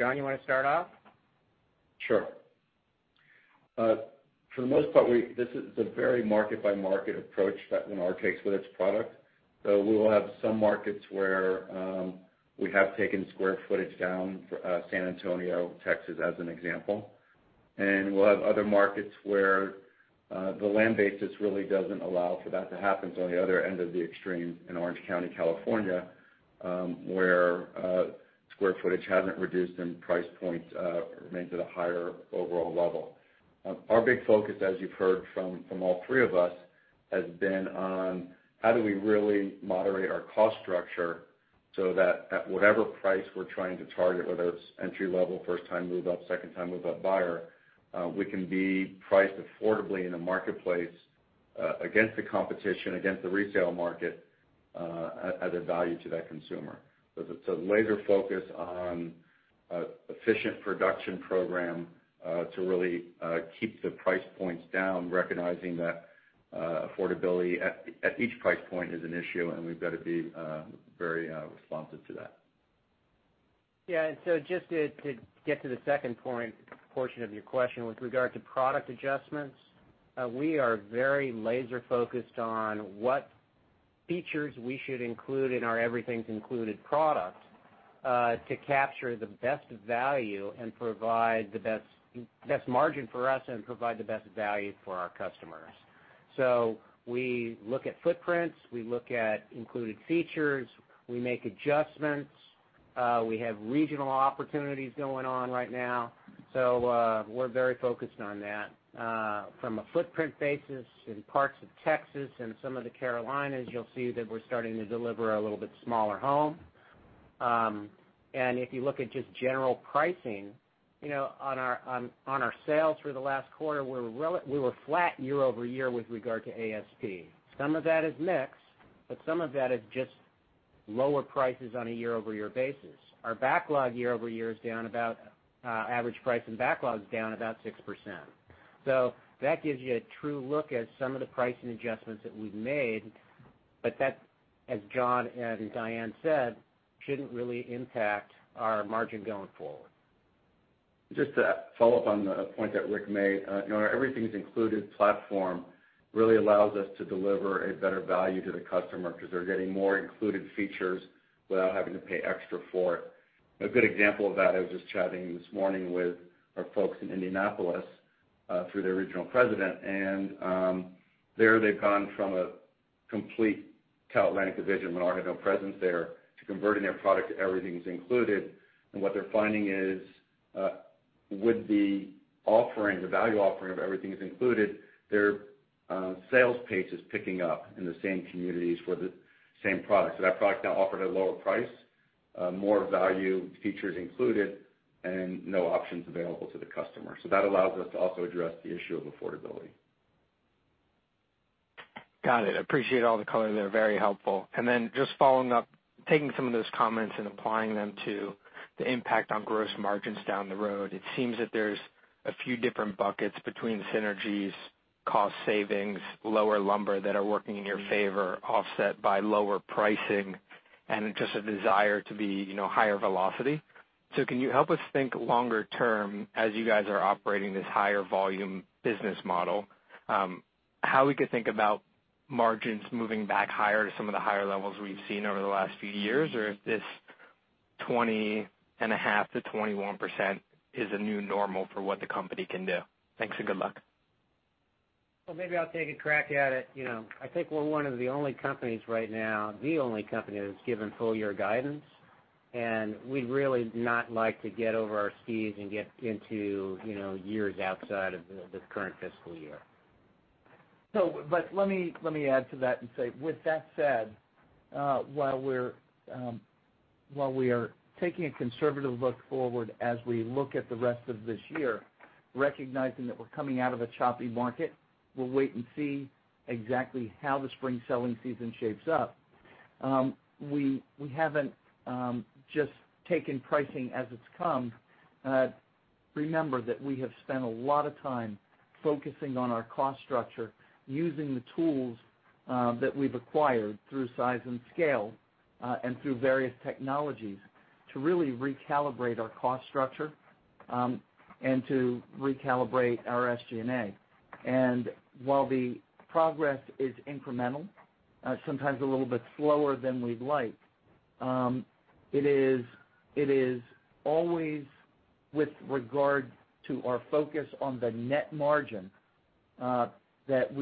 Jon, you want to start off? Sure. For the most part, this is a very market-by-market approach that Lennar takes with its product. We will have some markets where we have taken square footage down, San Antonio, Texas, as an example. We'll have other markets where the land basis really doesn't allow for that to happen. On the other end of the extreme in Orange County, California, where square footage hasn't reduced and price points remain at a higher overall level. Our big focus, as you've heard from all three of us, has been on how do we really moderate our cost structure so that at whatever price we're trying to target, whether it's entry-level, first-time move-up, second-time move-up buyer, we can be priced affordably in the marketplace against the competition, against the retail market at a value to that consumer. It's a laser focus on efficient production program to really keep the price points down, recognizing that affordability at each price point is an issue, and we've got to be very responsive to that. Yeah, just to get to the second portion of your question with regard to product adjustments, we are very laser-focused on what features we should include in our Everything's Included product to capture the best value and provide the best margin for us and provide the best value for our customers. We look at footprints, we look at included features, we make adjustments. We have regional opportunities going on right now. We're very focused on that. From a footprint basis in parts of Texas and some of the Carolinas, you'll see that we're starting to deliver a little bit smaller home. If you look at just general pricing, on our sales through the last quarter, we were flat year-over-year with regard to ASP. Some of that is mix, but some of that is just lower prices on a year-over-year basis. Our backlog year-over-year, average price and backlog is down about 6%. That gives you a true look at some of the pricing adjustments that we've made. That, as Jon and Diane said, shouldn't really impact our margin going forward. Just to follow up on the point that Rick made, our Everything's Included platform really allows us to deliver a better value to the customer because they're getting more included features without having to pay extra for it. A good example of that, I was just chatting this morning with our folks in Indianapolis through their regional president, there they've gone from a complete CalAtlantic division when I had no presence there to converting their product to Everything's Included. What they're finding is with the offering, the value offering of Everything's Included, their sales pace is picking up in the same communities for the same products. That product now offered at a lower price, more value with features included, and no options available to the customer. That allows us to also address the issue of affordability. Got it. I appreciate all the color there. Very helpful. Just following up, taking some of those comments and applying them to the impact on gross margins down the road, it seems that there's a few different buckets between synergies cost savings, lower lumber that are working in your favor, offset by lower pricing and just a desire to be higher velocity. Can you help us think longer term as you guys are operating this higher volume business model, how we could think about margins moving back higher to some of the higher levels we've seen over the last few years? Or if this 20.5%-21% is a new normal for what the company can do? Thanks, and good luck. Well, maybe I'll take a crack at it. I think we're one of the only companies right now, the only company, that has given full year guidance, we'd really not like to get over our skis and get into years outside of the current fiscal year. Let me add to that and say, with that said, while we are taking a conservative look forward as we look at the rest of this year, recognizing that we're coming out of a choppy market, we'll wait and see exactly how the spring selling season shapes up. We haven't just taken pricing as it's come. Remember that we have spent a lot of time focusing on our cost structure, using the tools that we've acquired through size and scale, and through various technologies, to really recalibrate our cost structure, and to recalibrate our SG&A. While the progress is incremental, sometimes a little bit slower than we'd like, it is always with regard to our focus on the net margin that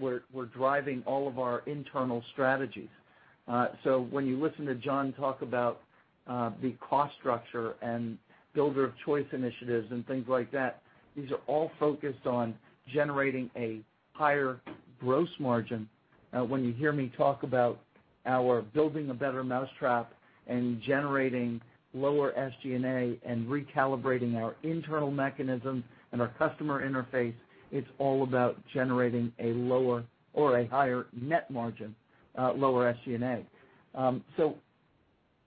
we're driving all of our internal strategies. When you listen to Jon talk about the cost structure and builder of choice initiatives and things like that, these are all focused on generating a higher gross margin. When you hear me talk about our building a better mousetrap and generating lower SG&A and recalibrating our internal mechanisms and our customer interface, it's all about generating a higher net margin, lower SG&A.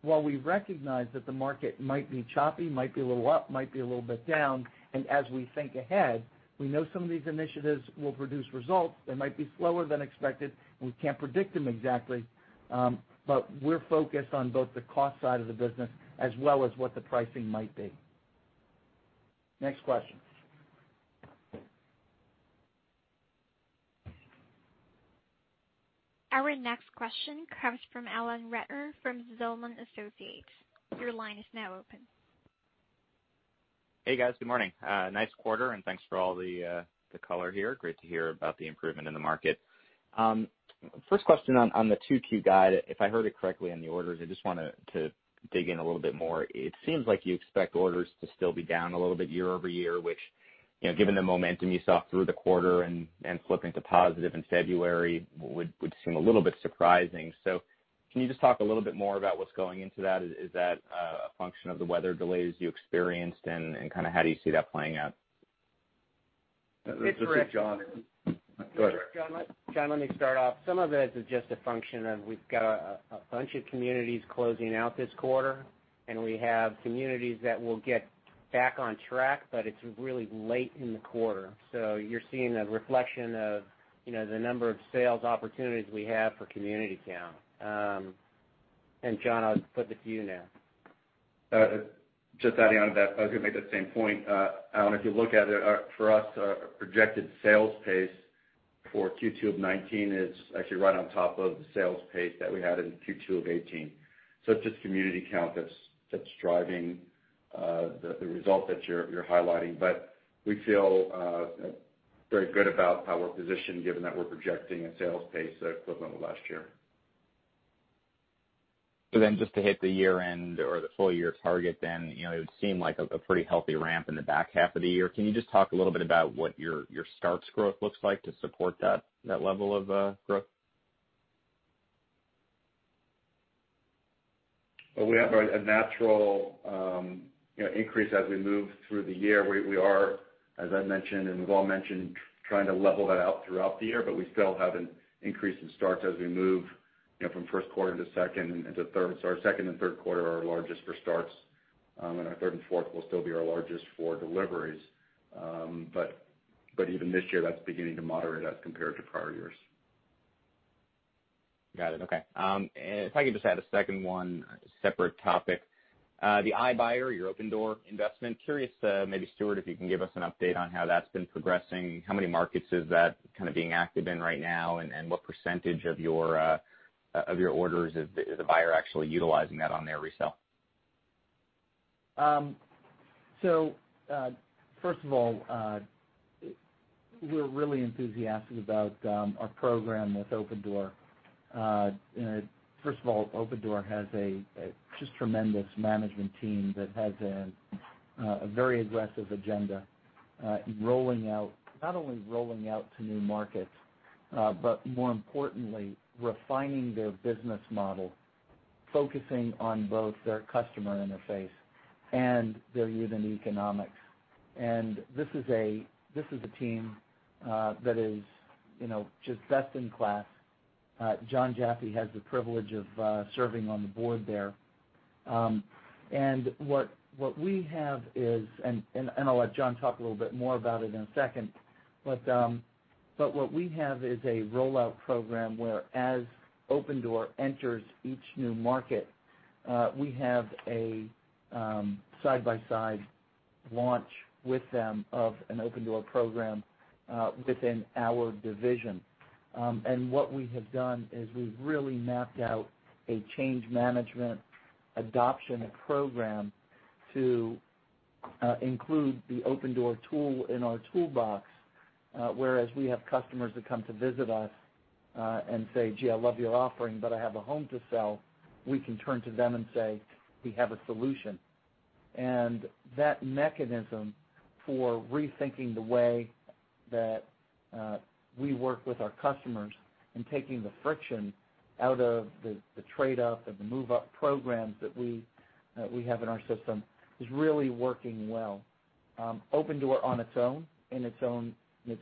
While we recognize that the market might be choppy, might be a little up, might be a little bit down, and as we think ahead, we know some of these initiatives will produce results. They might be slower than expected, and we can't predict them exactly. We're focused on both the cost side of the business as well as what the pricing might be. Next question. Our next question comes from Alan Ratner from Zelman & Associates. Your line is now open. Hey, guys. Good morning. Nice quarter, and thanks for all the color here. Great to hear about the improvement in the market. First question on the 2Q guide, if I heard it correctly on the orders, I just wanted to dig in a little bit more. It seems like you expect orders to still be down a little bit year-over-year, which, given the momentum you saw through the quarter and flipping to positive in February would seem a little bit surprising. Can you just talk a little bit more about what's going into that? Is that a function of the weather delays you experienced, and how do you see that playing out? It's. This is Jon. Go ahead. Jon, let me start off. Some of it is just a function of we've got a bunch of communities closing out this quarter. We have communities that will get back on track, but it's really late in the quarter. You're seeing a reflection of the number of sales opportunities we have for community count. Jon, I'll flip it to you now. Just adding on to that, I was going to make that same point. Alan, if you look at it, for us, our projected sales pace for Q2 of 2019 is actually right on top of the sales pace that we had in Q2 of 2018. It's just community count that's driving the result that you're highlighting. We feel very good about how we're positioned given that we're projecting a sales pace equivalent to last year. Just to hit the year-end or the full-year target then, it would seem like a pretty healthy ramp in the back half of the year. Can you just talk a little bit about what your starts growth looks like to support that level of growth? Well, we have a natural increase as we move through the year. We are, as I mentioned and we've all mentioned, trying to level that out throughout the year, but we still have an increase in starts as we move from first quarter to second and to third. Our second and third quarter are our largest for starts, and our third and fourth will still be our largest for deliveries. Even this year, that's beginning to moderate as compared to prior years. Got it. Okay. If I could just add a second one, separate topic. The iBuyer, your Opendoor investment, curious, maybe Stuart, if you can give us an update on how that's been progressing. How many markets is that being active in right now, and what % of your orders is a buyer actually utilizing that on their resale? First of all, we're really enthusiastic about our program with Opendoor. First of all, Opendoor has a just tremendous management team that has a very aggressive agenda in rolling out, not only rolling out to new markets, but more importantly, refining their business model, focusing on both their customer interface and their unit economics. This is a team that is just best in class. Jon Jaffe has the privilege of serving on the board there. What we have is, and I'll let Jon talk a little bit more about it in a second, but what we have is a rollout program where as Opendoor enters each new market, we have a side-by-side launch with them of an Opendoor program within our division. What we have done is we've really mapped out a change management adoption program to include the Opendoor tool in our toolbox, whereas we have customers that come to visit us and say, "Gee, I love your offering, but I have a home to sell," we can turn to them and say, "We have a solution." That mechanism for rethinking the way that we work with our customers and taking the friction out of the trade-up and the move-up programs that we have in our system is really working well. Opendoor on its own, in its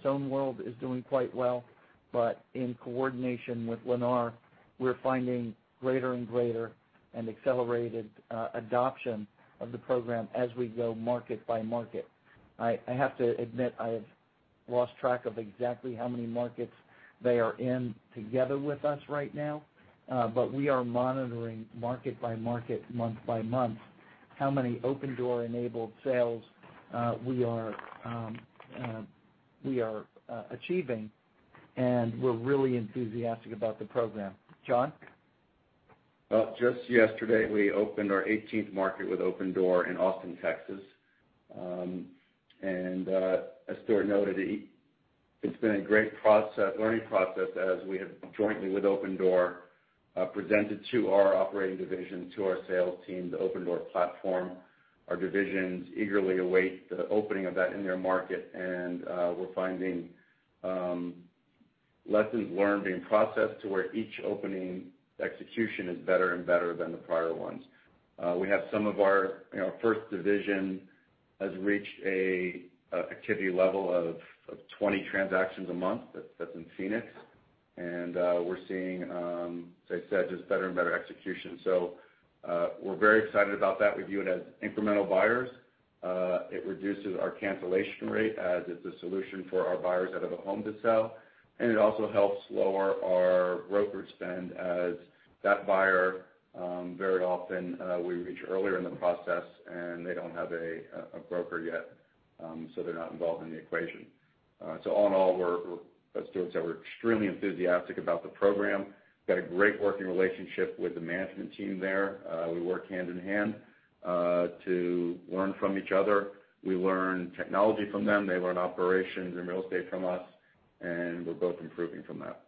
own world, is doing quite well, but in coordination with Lennar, we're finding greater and greater and accelerated adoption of the program as we go market by market. I have to admit, I have lost track of exactly how many markets they are in together with us right now. We are monitoring market by market, month by month, how many Opendoor-enabled sales we are achieving, and we're really enthusiastic about the program. Jon? Well, just yesterday, we opened our 18th market with Opendoor in Austin, Texas. As Stuart noted, it's been a great learning process as we have, jointly with Opendoor, presented to our operating division, to our sales team, the Opendoor platform. Our divisions eagerly await the opening of that in their market, and we're finding lessons learned being processed to where each opening execution is better and better than the prior ones. Our first division has reached an activity level of 20 transactions a month. That's in Phoenix. We're seeing, as I said, just better and better execution. We're very excited about that. We view it as incremental buyers. It reduces our cancellation rate as it's a solution for our buyers that have a home to sell, and it also helps lower our broker spend as that buyer, very often, we reach earlier in the process, and they don't have a broker yet, so they're not involved in the equation. All in all, as Stuart said, we're extremely enthusiastic about the program, got a great working relationship with the management team there. We work hand in hand to learn from each other. We learn technology from them, they learn operations and real estate from us, and we're both improving from that.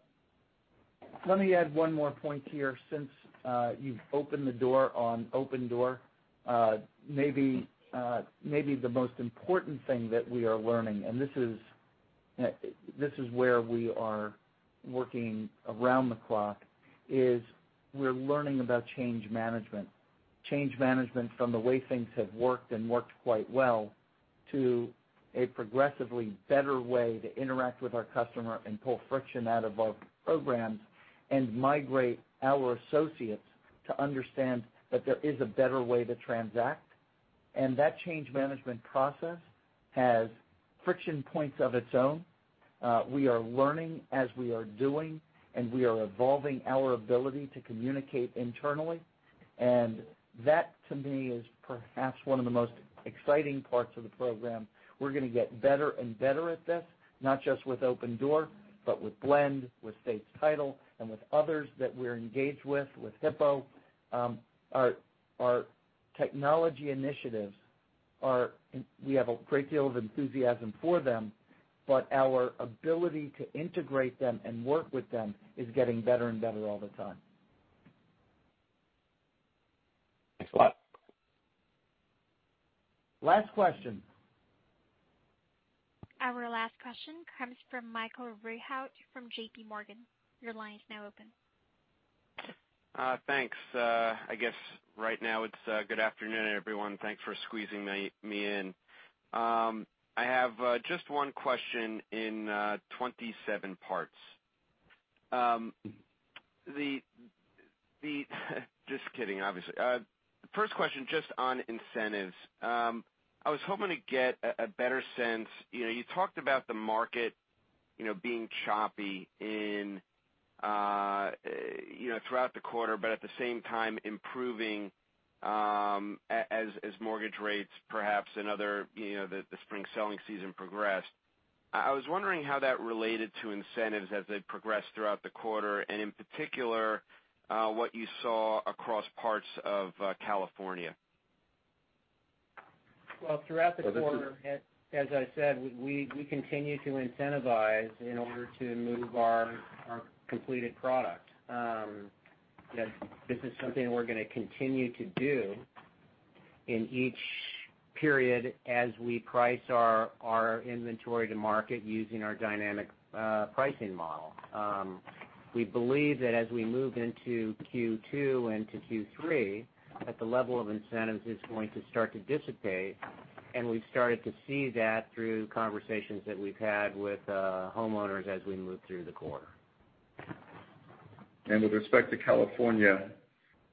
Let me add one more point here since you've opened the door on Opendoor. Maybe the most important thing that we are learning, and this is where we are working around the clock, is we're learning about change management. Change management from the way things have worked, and worked quite well, to a progressively better way to interact with our customer and pull friction out of both programs and migrate our associates to understand that there is a better way to transact. That change management process has friction points of its own. We are learning as we are doing, and we are evolving our ability to communicate internally, and that, to me, is perhaps one of the most exciting parts of the program. We're going to get better and better at this, not just with Opendoor, but with Blend, with States Title, and with others that we're engaged with Hippo. Our technology initiatives, we have a great deal of enthusiasm for them, but our ability to integrate them and work with them is getting better and better all the time. Thanks a lot. Last question. Our last question comes from Michael Rehaut from JP Morgan. Your line is now open. Thanks. I guess right now it's good afternoon, everyone. Thanks for squeezing me in. I have just one question in 27 parts. Just kidding, obviously. First question, just on incentives. I was hoping to get a better sense. You talked about the market being choppy throughout the quarter, but at the same time, improving as mortgage rates, perhaps, and the spring selling season progressed. I was wondering how that related to incentives as they progressed throughout the quarter, and in particular, what you saw across parts of California. Well, throughout the quarter, as I said, we continue to incentivize in order to move our completed product. This is something we're going to continue to do in each period as we price our inventory to market using our dynamic pricing model. We believe that as we move into Q2 and to Q3, that the level of incentives is going to start to dissipate, and we've started to see that through conversations that we've had with homeowners as we move through the quarter. With respect to California,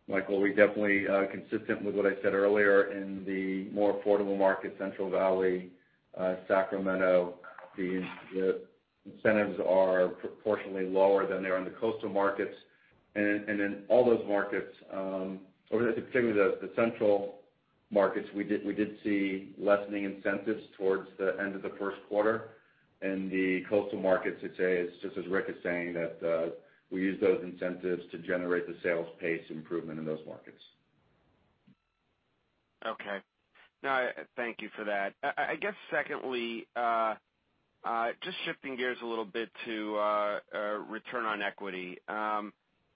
Michael, we definitely are consistent with what I said earlier in the more affordable market, Central Valley, Sacramento, the incentives are proportionally lower than they are in the coastal markets. In all those markets, particularly the central markets, we did see lessening incentives towards the end of the first quarter. In the coastal markets, I'd say it's just as Rick is saying, that we use those incentives to generate the sales pace improvement in those markets. Okay. No, thank you for that. I guess secondly, just shifting gears a little bit to return on equity.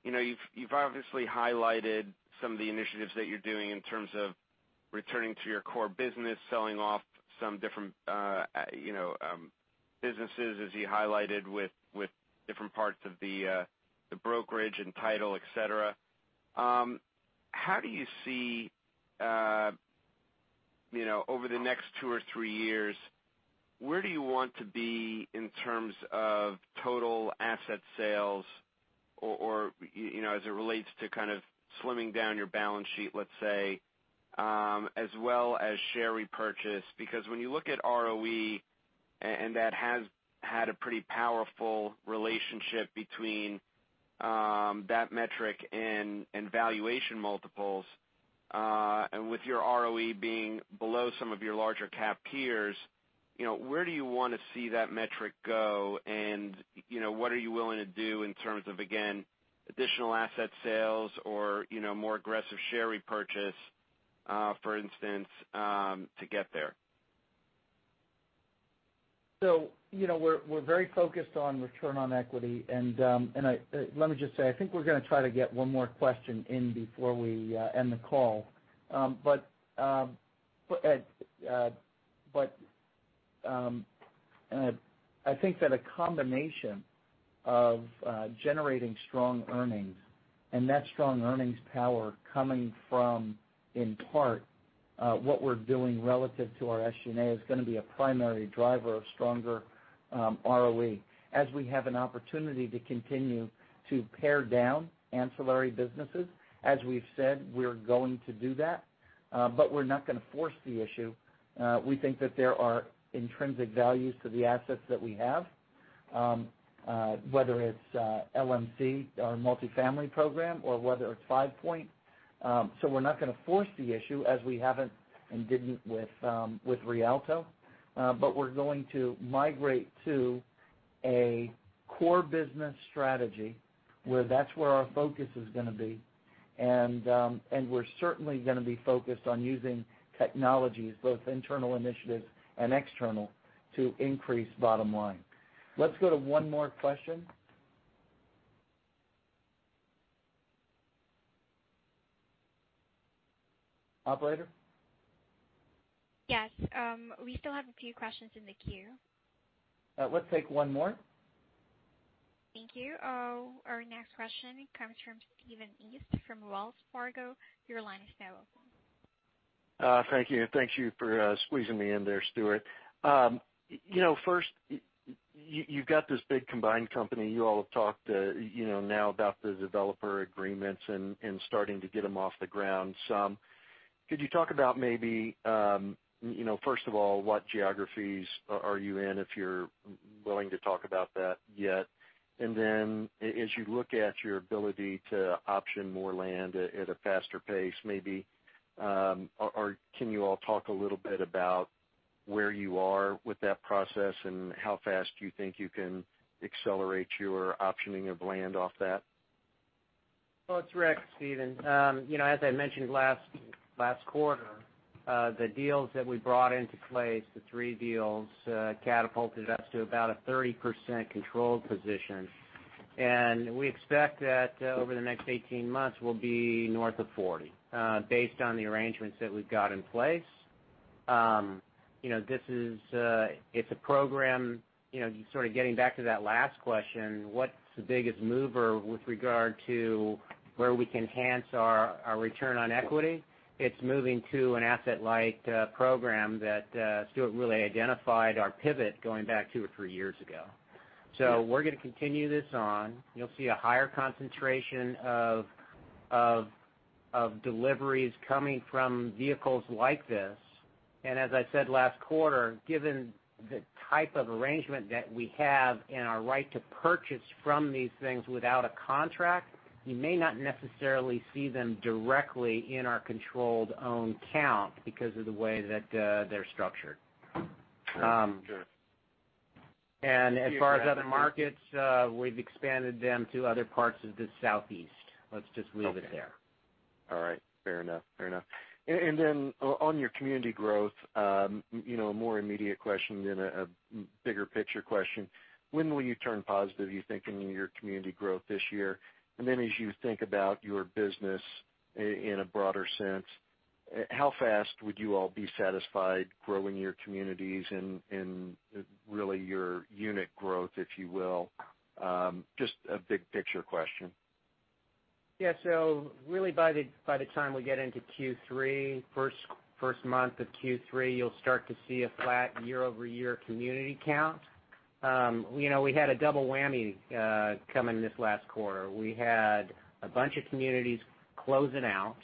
You've obviously highlighted some of the initiatives that you're doing in terms of returning to your core business, selling off some different businesses, as you highlighted, with different parts of the brokerage and title, et cetera. How do you see, over the next two or three years, where do you want to be in terms of total asset sales, or as it relates to kind of slimming down your balance sheet, let's say, as well as share repurchase? Because when you look at ROE, that has had a pretty powerful relationship between that metric and valuation multiples, and with your ROE being below some of your larger cap peers, where do you want to see that metric go? What are you willing to do in terms of, again, additional asset sales or more aggressive share repurchase, for instance, to get there? We're very focused on return on equity. Let me just say, I think we're going to try to get one more question in before we end the call. I think that a combination of generating strong earnings, and that strong earnings power coming from, in part, what we're doing relative to our SG&A is going to be a primary driver of stronger ROE. As we have an opportunity to continue to pare down ancillary businesses, as we've said, we're going to do that. We're not going to force the issue. We think that there are intrinsic values to the assets that we have, whether it's LMC, our multifamily program, or whether it's FivePoint. We're not going to force the issue, as we haven't and didn't with Rialto. We're going to migrate to a core business strategy, where that's where our focus is going to be. We're certainly going to be focused on using technologies, both internal initiatives and external, to increase bottom line. Let's go to one more question. Operator? Yes. We still have a few questions in the queue. Let's take one more. Thank you. Our next question comes from Stephen East from Wells Fargo. Your line is now open. Thank you. Thank you for squeezing me in there, Stuart. First, you've got this big combined company. You all have talked now about the developer agreements and starting to get them off the ground some. Could you talk about maybe, first of all, what geographies are you in, if you're willing to talk about that yet? As you look at your ability to option more land at a faster pace, maybe, or can you all talk a little bit about where you are with that process and how fast you think you can accelerate your optioning of land off that? Well, it's Rick, Stephen. As I mentioned last quarter, the deals that we brought into place, the three deals, catapulted us to about a 30% controlled position. We expect that over the next 18 months, we'll be north of 40, based on the arrangements that we've got in place. It's a program, sort of getting back to that last question, what's the biggest mover with regard to where we can enhance our return on equity? It's moving to an asset-light program that Stuart really identified our pivot going back two or three years ago. We're going to continue this on. You'll see a higher concentration of deliveries coming from vehicles like this. As I said last quarter, given the type of arrangement that we have and our right to purchase from these things without a contract, you may not necessarily see them directly in our controlled owned count because of the way that they're structured. Sure. As far as other markets, we've expanded them to other parts of the Southeast. Let's just leave it there. Okay. All right. Fair enough. Then on your community growth, a more immediate question than a bigger picture question. When will you turn positive, you think, in your community growth this year? Then as you think about your business in a broader sense, how fast would you all be satisfied growing your communities and really your unit growth, if you will? Just a big picture question. Really by the time we get into Q3, first month of Q3, you'll start to see a flat year-over-year community count. We had a double whammy coming this last quarter. We had a bunch of communities closing out,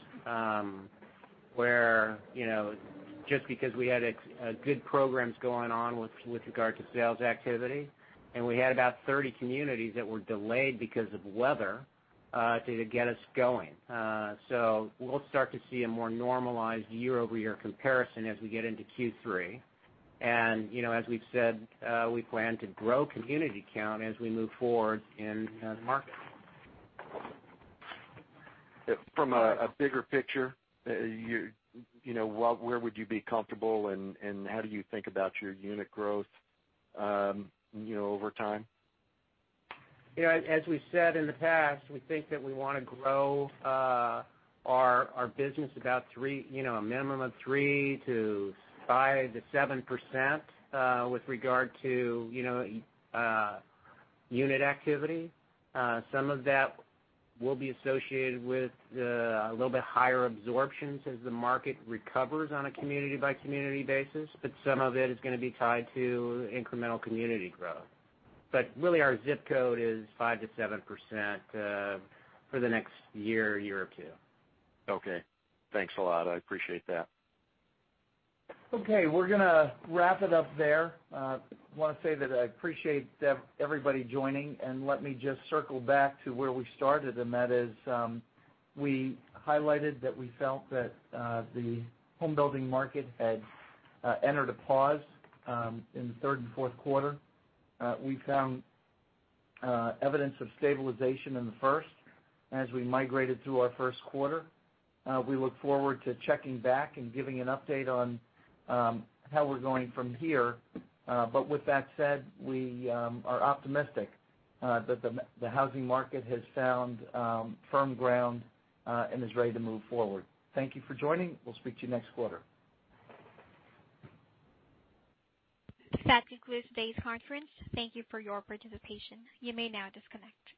where just because we had good programs going on with regard to sales activity, and we had about 30 communities that were delayed because of weather to get us going. We'll start to see a more normalized year-over-year comparison as we get into Q3. As we've said, we plan to grow community count as we move forward in the market. From a bigger picture, where would you be comfortable, and how do you think about your unit growth over time? As we said in the past, we think that we want to grow our business about a minimum of 3%-5%-7% with regard to unit activity. Some of that will be associated with a little bit higher absorptions as the market recovers on a community-by-community basis, but some of it is going to be tied to incremental community growth. Really our zip code is 5%-7% for the next year or two. Okay. Thanks a lot. I appreciate that. Okay, we're going to wrap it up there. I want to say that I appreciate everybody joining. Let me just circle back to where we started. That is, we highlighted that we felt that the homebuilding market had entered a pause in the third and fourth quarter. We found evidence of stabilization in the first as we migrated through our first quarter. We look forward to checking back and giving an update on how we're going from here. With that said, we are optimistic that the housing market has found firm ground and is ready to move forward. Thank you for joining. We'll speak to you next quarter. That concludes today's conference. Thank you for your participation. You may now disconnect.